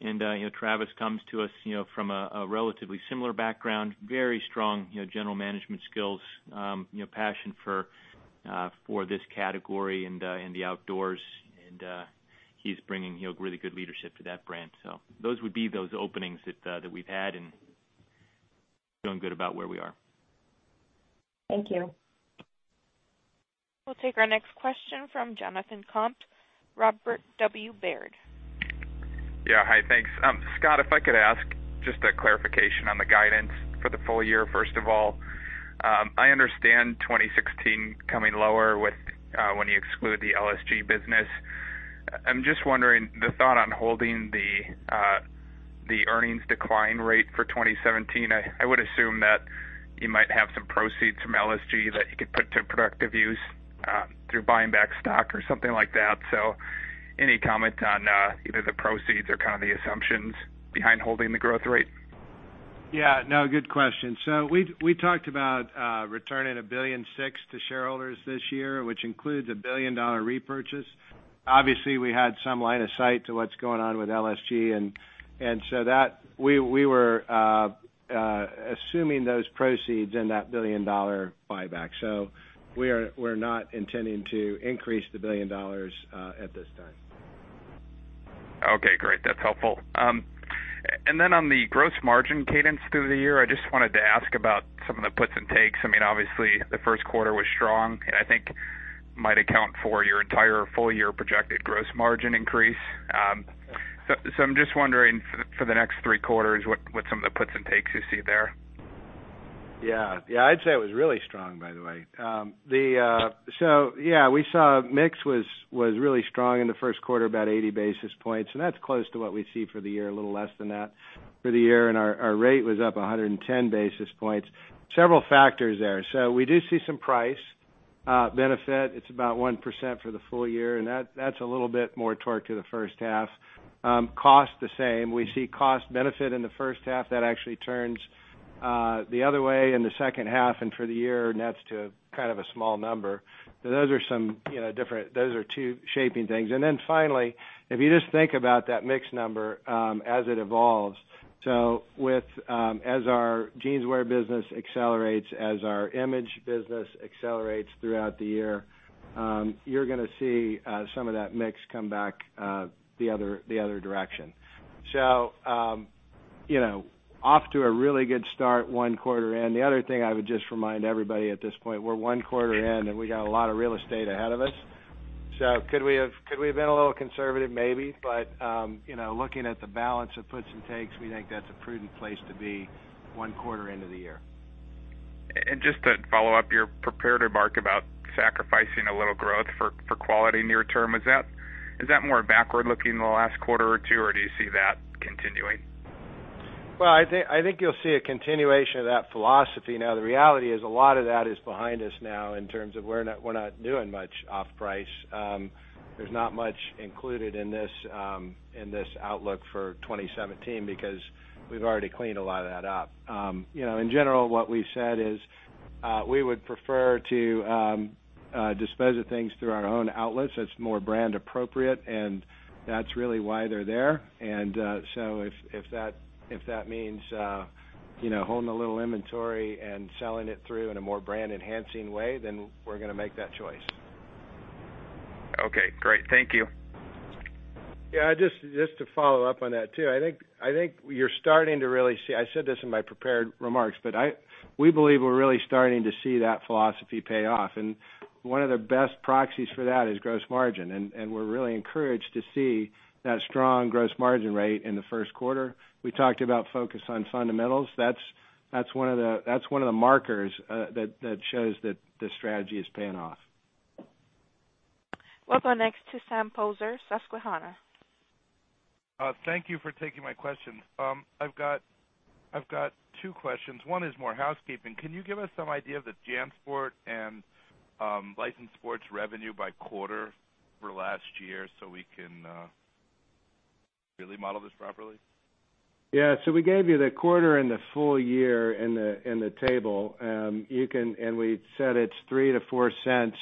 Smartwool. Travis comes to us from a relatively similar background. Very strong general management skills, passion for this category and the outdoors. He's bringing really good leadership to that brand. Those would be those openings that we've had and feeling good about where we are. Thank you. We'll take our next question from Jonathan Komp, Robert W. Baird. Yeah. Hi, thanks. Scott, if I could ask just a clarification on the guidance for the full year, first of all. I understand 2016 coming lower when you exclude the LSG business. I'm just wondering the thought on holding the earnings decline rate for 2017. I would assume that you might have some proceeds from LSG that you could put to productive use through buying back stock or something like that. Any comment on either the proceeds or the assumptions behind holding the growth rate? Yeah. No, good question. We talked about returning $1.6 billion to shareholders this year, which includes a $1 billion repurchase. Obviously, we had some line of sight to what's going on with LSG. We were assuming those proceeds in that $1 billion buyback. We're not intending to increase the $1 billion at this time. Okay, great. That's helpful. On the gross margin cadence through the year, I just wanted to ask about some of the puts and takes. Obviously, the first quarter was strong, and I think might account for your entire full-year projected gross margin increase. I'm just wondering for the next three quarters, what some of the puts and takes you see there. Yeah. I'd say it was really strong, by the way. We saw mix was really strong in the first quarter, about 80 basis points, and that's close to what we see for the year, a little less than that for the year. Our rate was up 110 basis points. Several factors there. We do see some price benefit. It's about 1% for the full year, and that's a little bit more toward to the first half. Cost, the same. We see cost benefit in the first half that actually turns the other way in the second half and for the year nets to a small number. Those are two shaping things. Finally, if you just think about that mix number as it evolves. As our Jeanswear business accelerates, as our image business accelerates throughout the year, you're going to see some of that mix come back the other direction. Off to a really good start one quarter in. The other thing I would just remind everybody at this point, we're one quarter in, and we got a lot of real estate ahead of us. Could we have been a little conservative? Maybe. Looking at the balance of puts and takes, we think that's a prudent place to be one quarter into the year. Just to follow up your prepared remark about sacrificing a little growth for quality near term. Is that more backward-looking in the last quarter or two, or do you see that continuing? Well, I think you'll see a continuation of that philosophy. Now, the reality is a lot of that is behind us now in terms of we're not doing much off-price. There's not much included in this outlook for 2017 because we've already cleaned a lot of that up. In general, what we've said is, we would prefer to dispose of things through our own outlets. That's more brand appropriate, and that's really why they're there. If that means holding a little inventory and selling it through in a more brand-enhancing way, then we're going to make that choice. Okay, great. Thank you. Just to follow up on that, too. I think you're starting to really see, I said this in my prepared remarks, but we believe we're really starting to see that philosophy pay off. One of the best proxies for that is gross margin. We're really encouraged to see that strong gross margin rate in the first quarter. We talked about focus on fundamentals. That's one of the markers that shows that the strategy is paying off. We'll go next to Sam Poser, Susquehanna. Thank you for taking my questions. I've got two questions. One is more housekeeping. Can you give us some idea of the JanSport and Licensed Sports revenue by quarter for last year so we can really model this properly? Yeah. We gave you the quarter and the full year in the table. We said it's three to four cents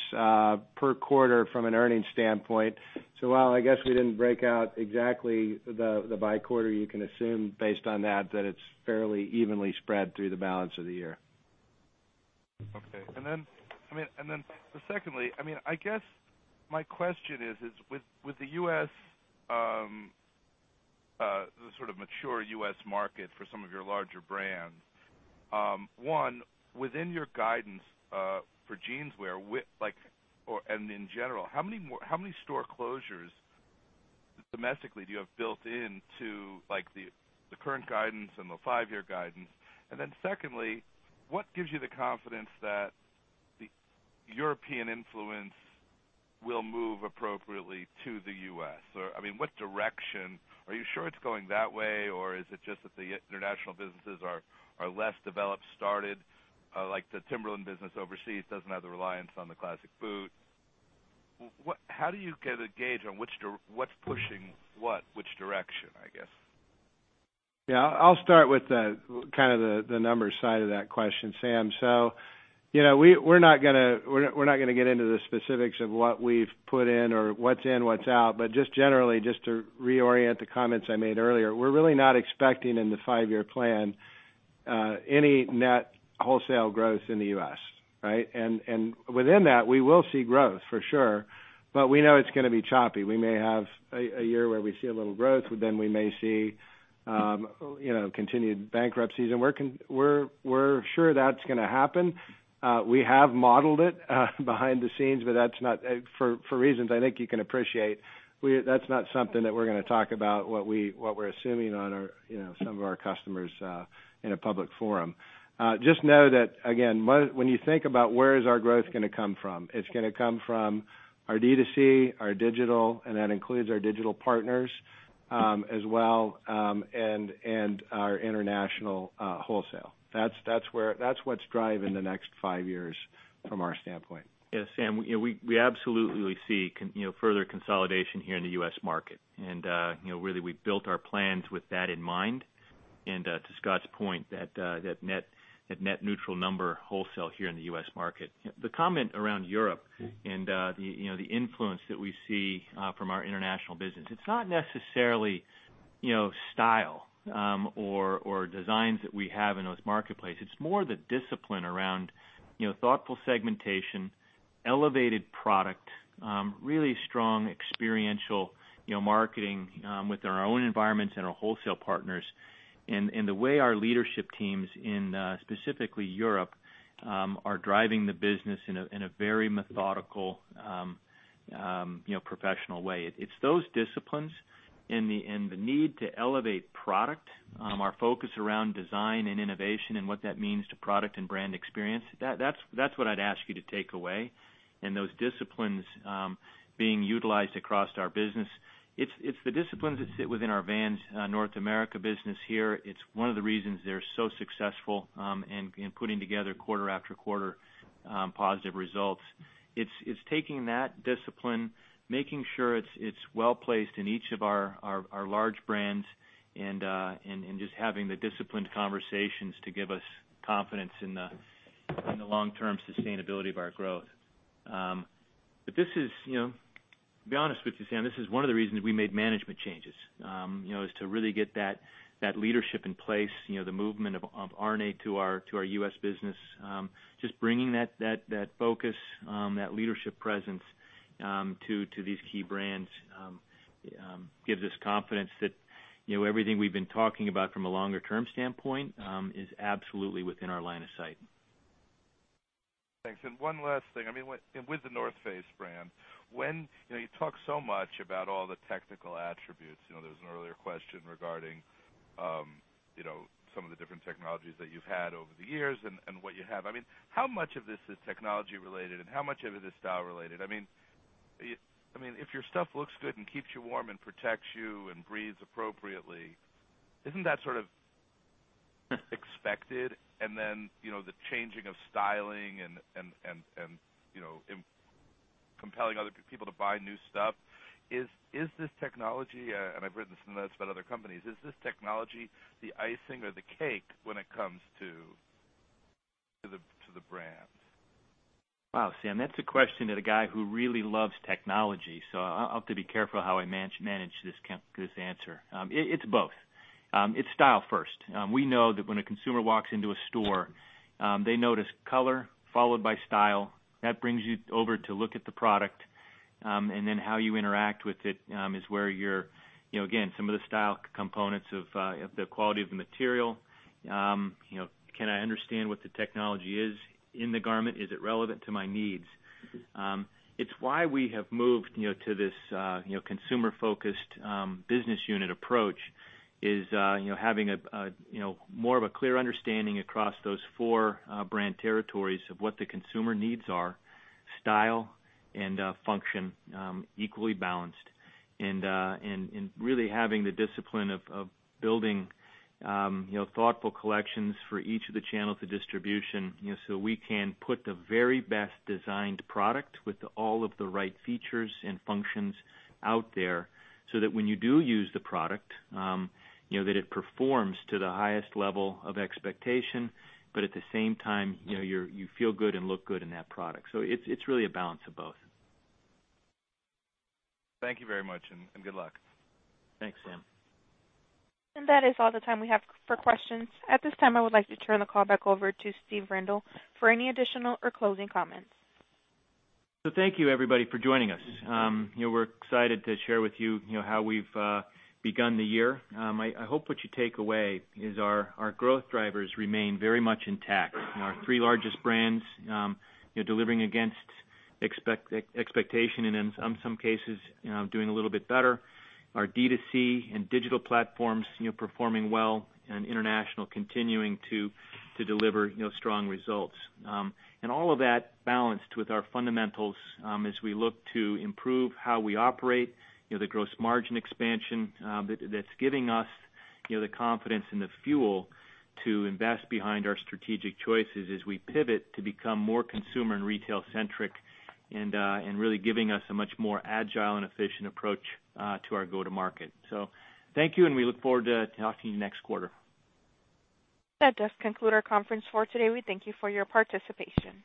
per quarter from an earnings standpoint. While I guess we didn't break out exactly the by quarter, you can assume based on that it's fairly evenly spread through the balance of the year. Okay. Secondly, I guess my question is with the mature U.S. market for some of your larger brands. One, within your guidance for Jeanswear and in general, how many store closures domestically do you have built into the current guidance and the five-year guidance? Secondly, what gives you the confidence that the European influence will move appropriately to the U.S.? What direction? Are you sure it's going that way, or is it just that the international businesses are less developed, started, like the Timberland business overseas doesn't have the reliance on the classic boot. How do you get a gauge on what's pushing what, which direction, I guess? Yeah. I'll start with the numbers side of that question, Sam. We're not going to get into the specifics of what we've put in or what's in, what's out. Just generally, just to reorient the comments I made earlier. We're really not expecting in the five-year plan any net wholesale growth in the U.S., right? Within that, we will see growth for sure, but we know it's going to be choppy. We may have a year where we see a little growth, we may see continued bankruptcies. We're sure that's going to happen. We have modeled it behind the scenes, for reasons I think you can appreciate, that's not something that we're going to talk about, what we're assuming on some of our customers in a public forum. Just know that, again, when you think about where is our growth going to come from, it's going to come from our D2C, our digital, that includes our digital partners as well, our international wholesale. That's what's driving the next five years from our standpoint. Yes, Sam, we absolutely see further consolidation here in the U.S. market. Really, we've built our plans with that in mind. To Scott's point, that net neutral number wholesale here in the U.S. market. The comment around Europe and the influence that we see from our international business, it's not necessarily style or designs that we have in those marketplace. It's more the discipline around thoughtful segmentation, elevated product, really strong experiential marketing with our own environments and our wholesale partners. The way our leadership teams in, specifically Europe, are driving the business in a very methodical, professional way. It's those disciplines and the need to elevate product, our focus around design and innovation and what that means to product and brand experience. That's what I'd ask you to take away. Those disciplines being utilized across our business. It's the disciplines that sit within our Vans' North America business here. It's one of the reasons they're so successful in putting together quarter after quarter positive results. It's taking that discipline, making sure it's well-placed in each of our large brands, and just having the disciplined conversations to give us confidence in the long-term sustainability of our growth. To be honest with you, Sam, this is one of the reasons we made management changes, is to really get that leadership in place, the movement of Arne to our U.S. business. Just bringing that focus, that leadership presence to these key brands gives us confidence that everything we've been talking about from a longer-term standpoint is absolutely within our line of sight. Thanks. One last thing. With The North Face brand, you talk so much about all the technical attributes. There was an earlier question regarding some of the different technologies that you've had over the years and what you have. How much of this is technology related, and how much of it is style related? If your stuff looks good and keeps you warm and protects you and breathes appropriately, isn't that sort of expected? Then the changing of styling and compelling other people to buy new stuff. I've read this in notes about other companies, is this technology the icing or the cake when it comes to the brands? Wow, Sam, that's a question to the guy who really loves technology. I'll have to be careful how I manage this answer. It's both. It's style first. We know that when a consumer walks into a store, they notice color followed by style. That brings you over to look at the product. Then how you interact with it is where again, some of the style components of the quality of the material. Can I understand what the technology is in the garment? Is it relevant to my needs? It's why we have moved to this consumer-focused business unit approach, is having more of a clear understanding across those four brand territories of what the consumer needs are, style and function equally balanced. Really having the discipline of building thoughtful collections for each of the channels of distribution, so we can put the very best designed product with all of the right features and functions out there. When you do use the product, that it performs to the highest level of expectation. At the same time, you feel good and look good in that product. It's really a balance of both. Thank you very much, and good luck. Thanks, Sam. That is all the time we have for questions. At this time, I would like to turn the call back over to Steve Rendle for any additional or closing comments. Thank you, everybody, for joining us. We're excited to share with you how we've begun the year. I hope what you take away is our growth drivers remain very much intact. Our three largest brands delivering against expectation, and in some cases, doing a little bit better. Our D2C and digital platforms performing well, and international continuing to deliver strong results. All of that balanced with our fundamentals as we look to improve how we operate, the gross margin expansion that's giving us the confidence and the fuel to invest behind our strategic choices as we pivot to become more consumer and retail-centric, really giving us a much more agile and efficient approach to our go to market. Thank you, and we look forward to talking to you next quarter. That does conclude our conference for today. We thank you for your participation.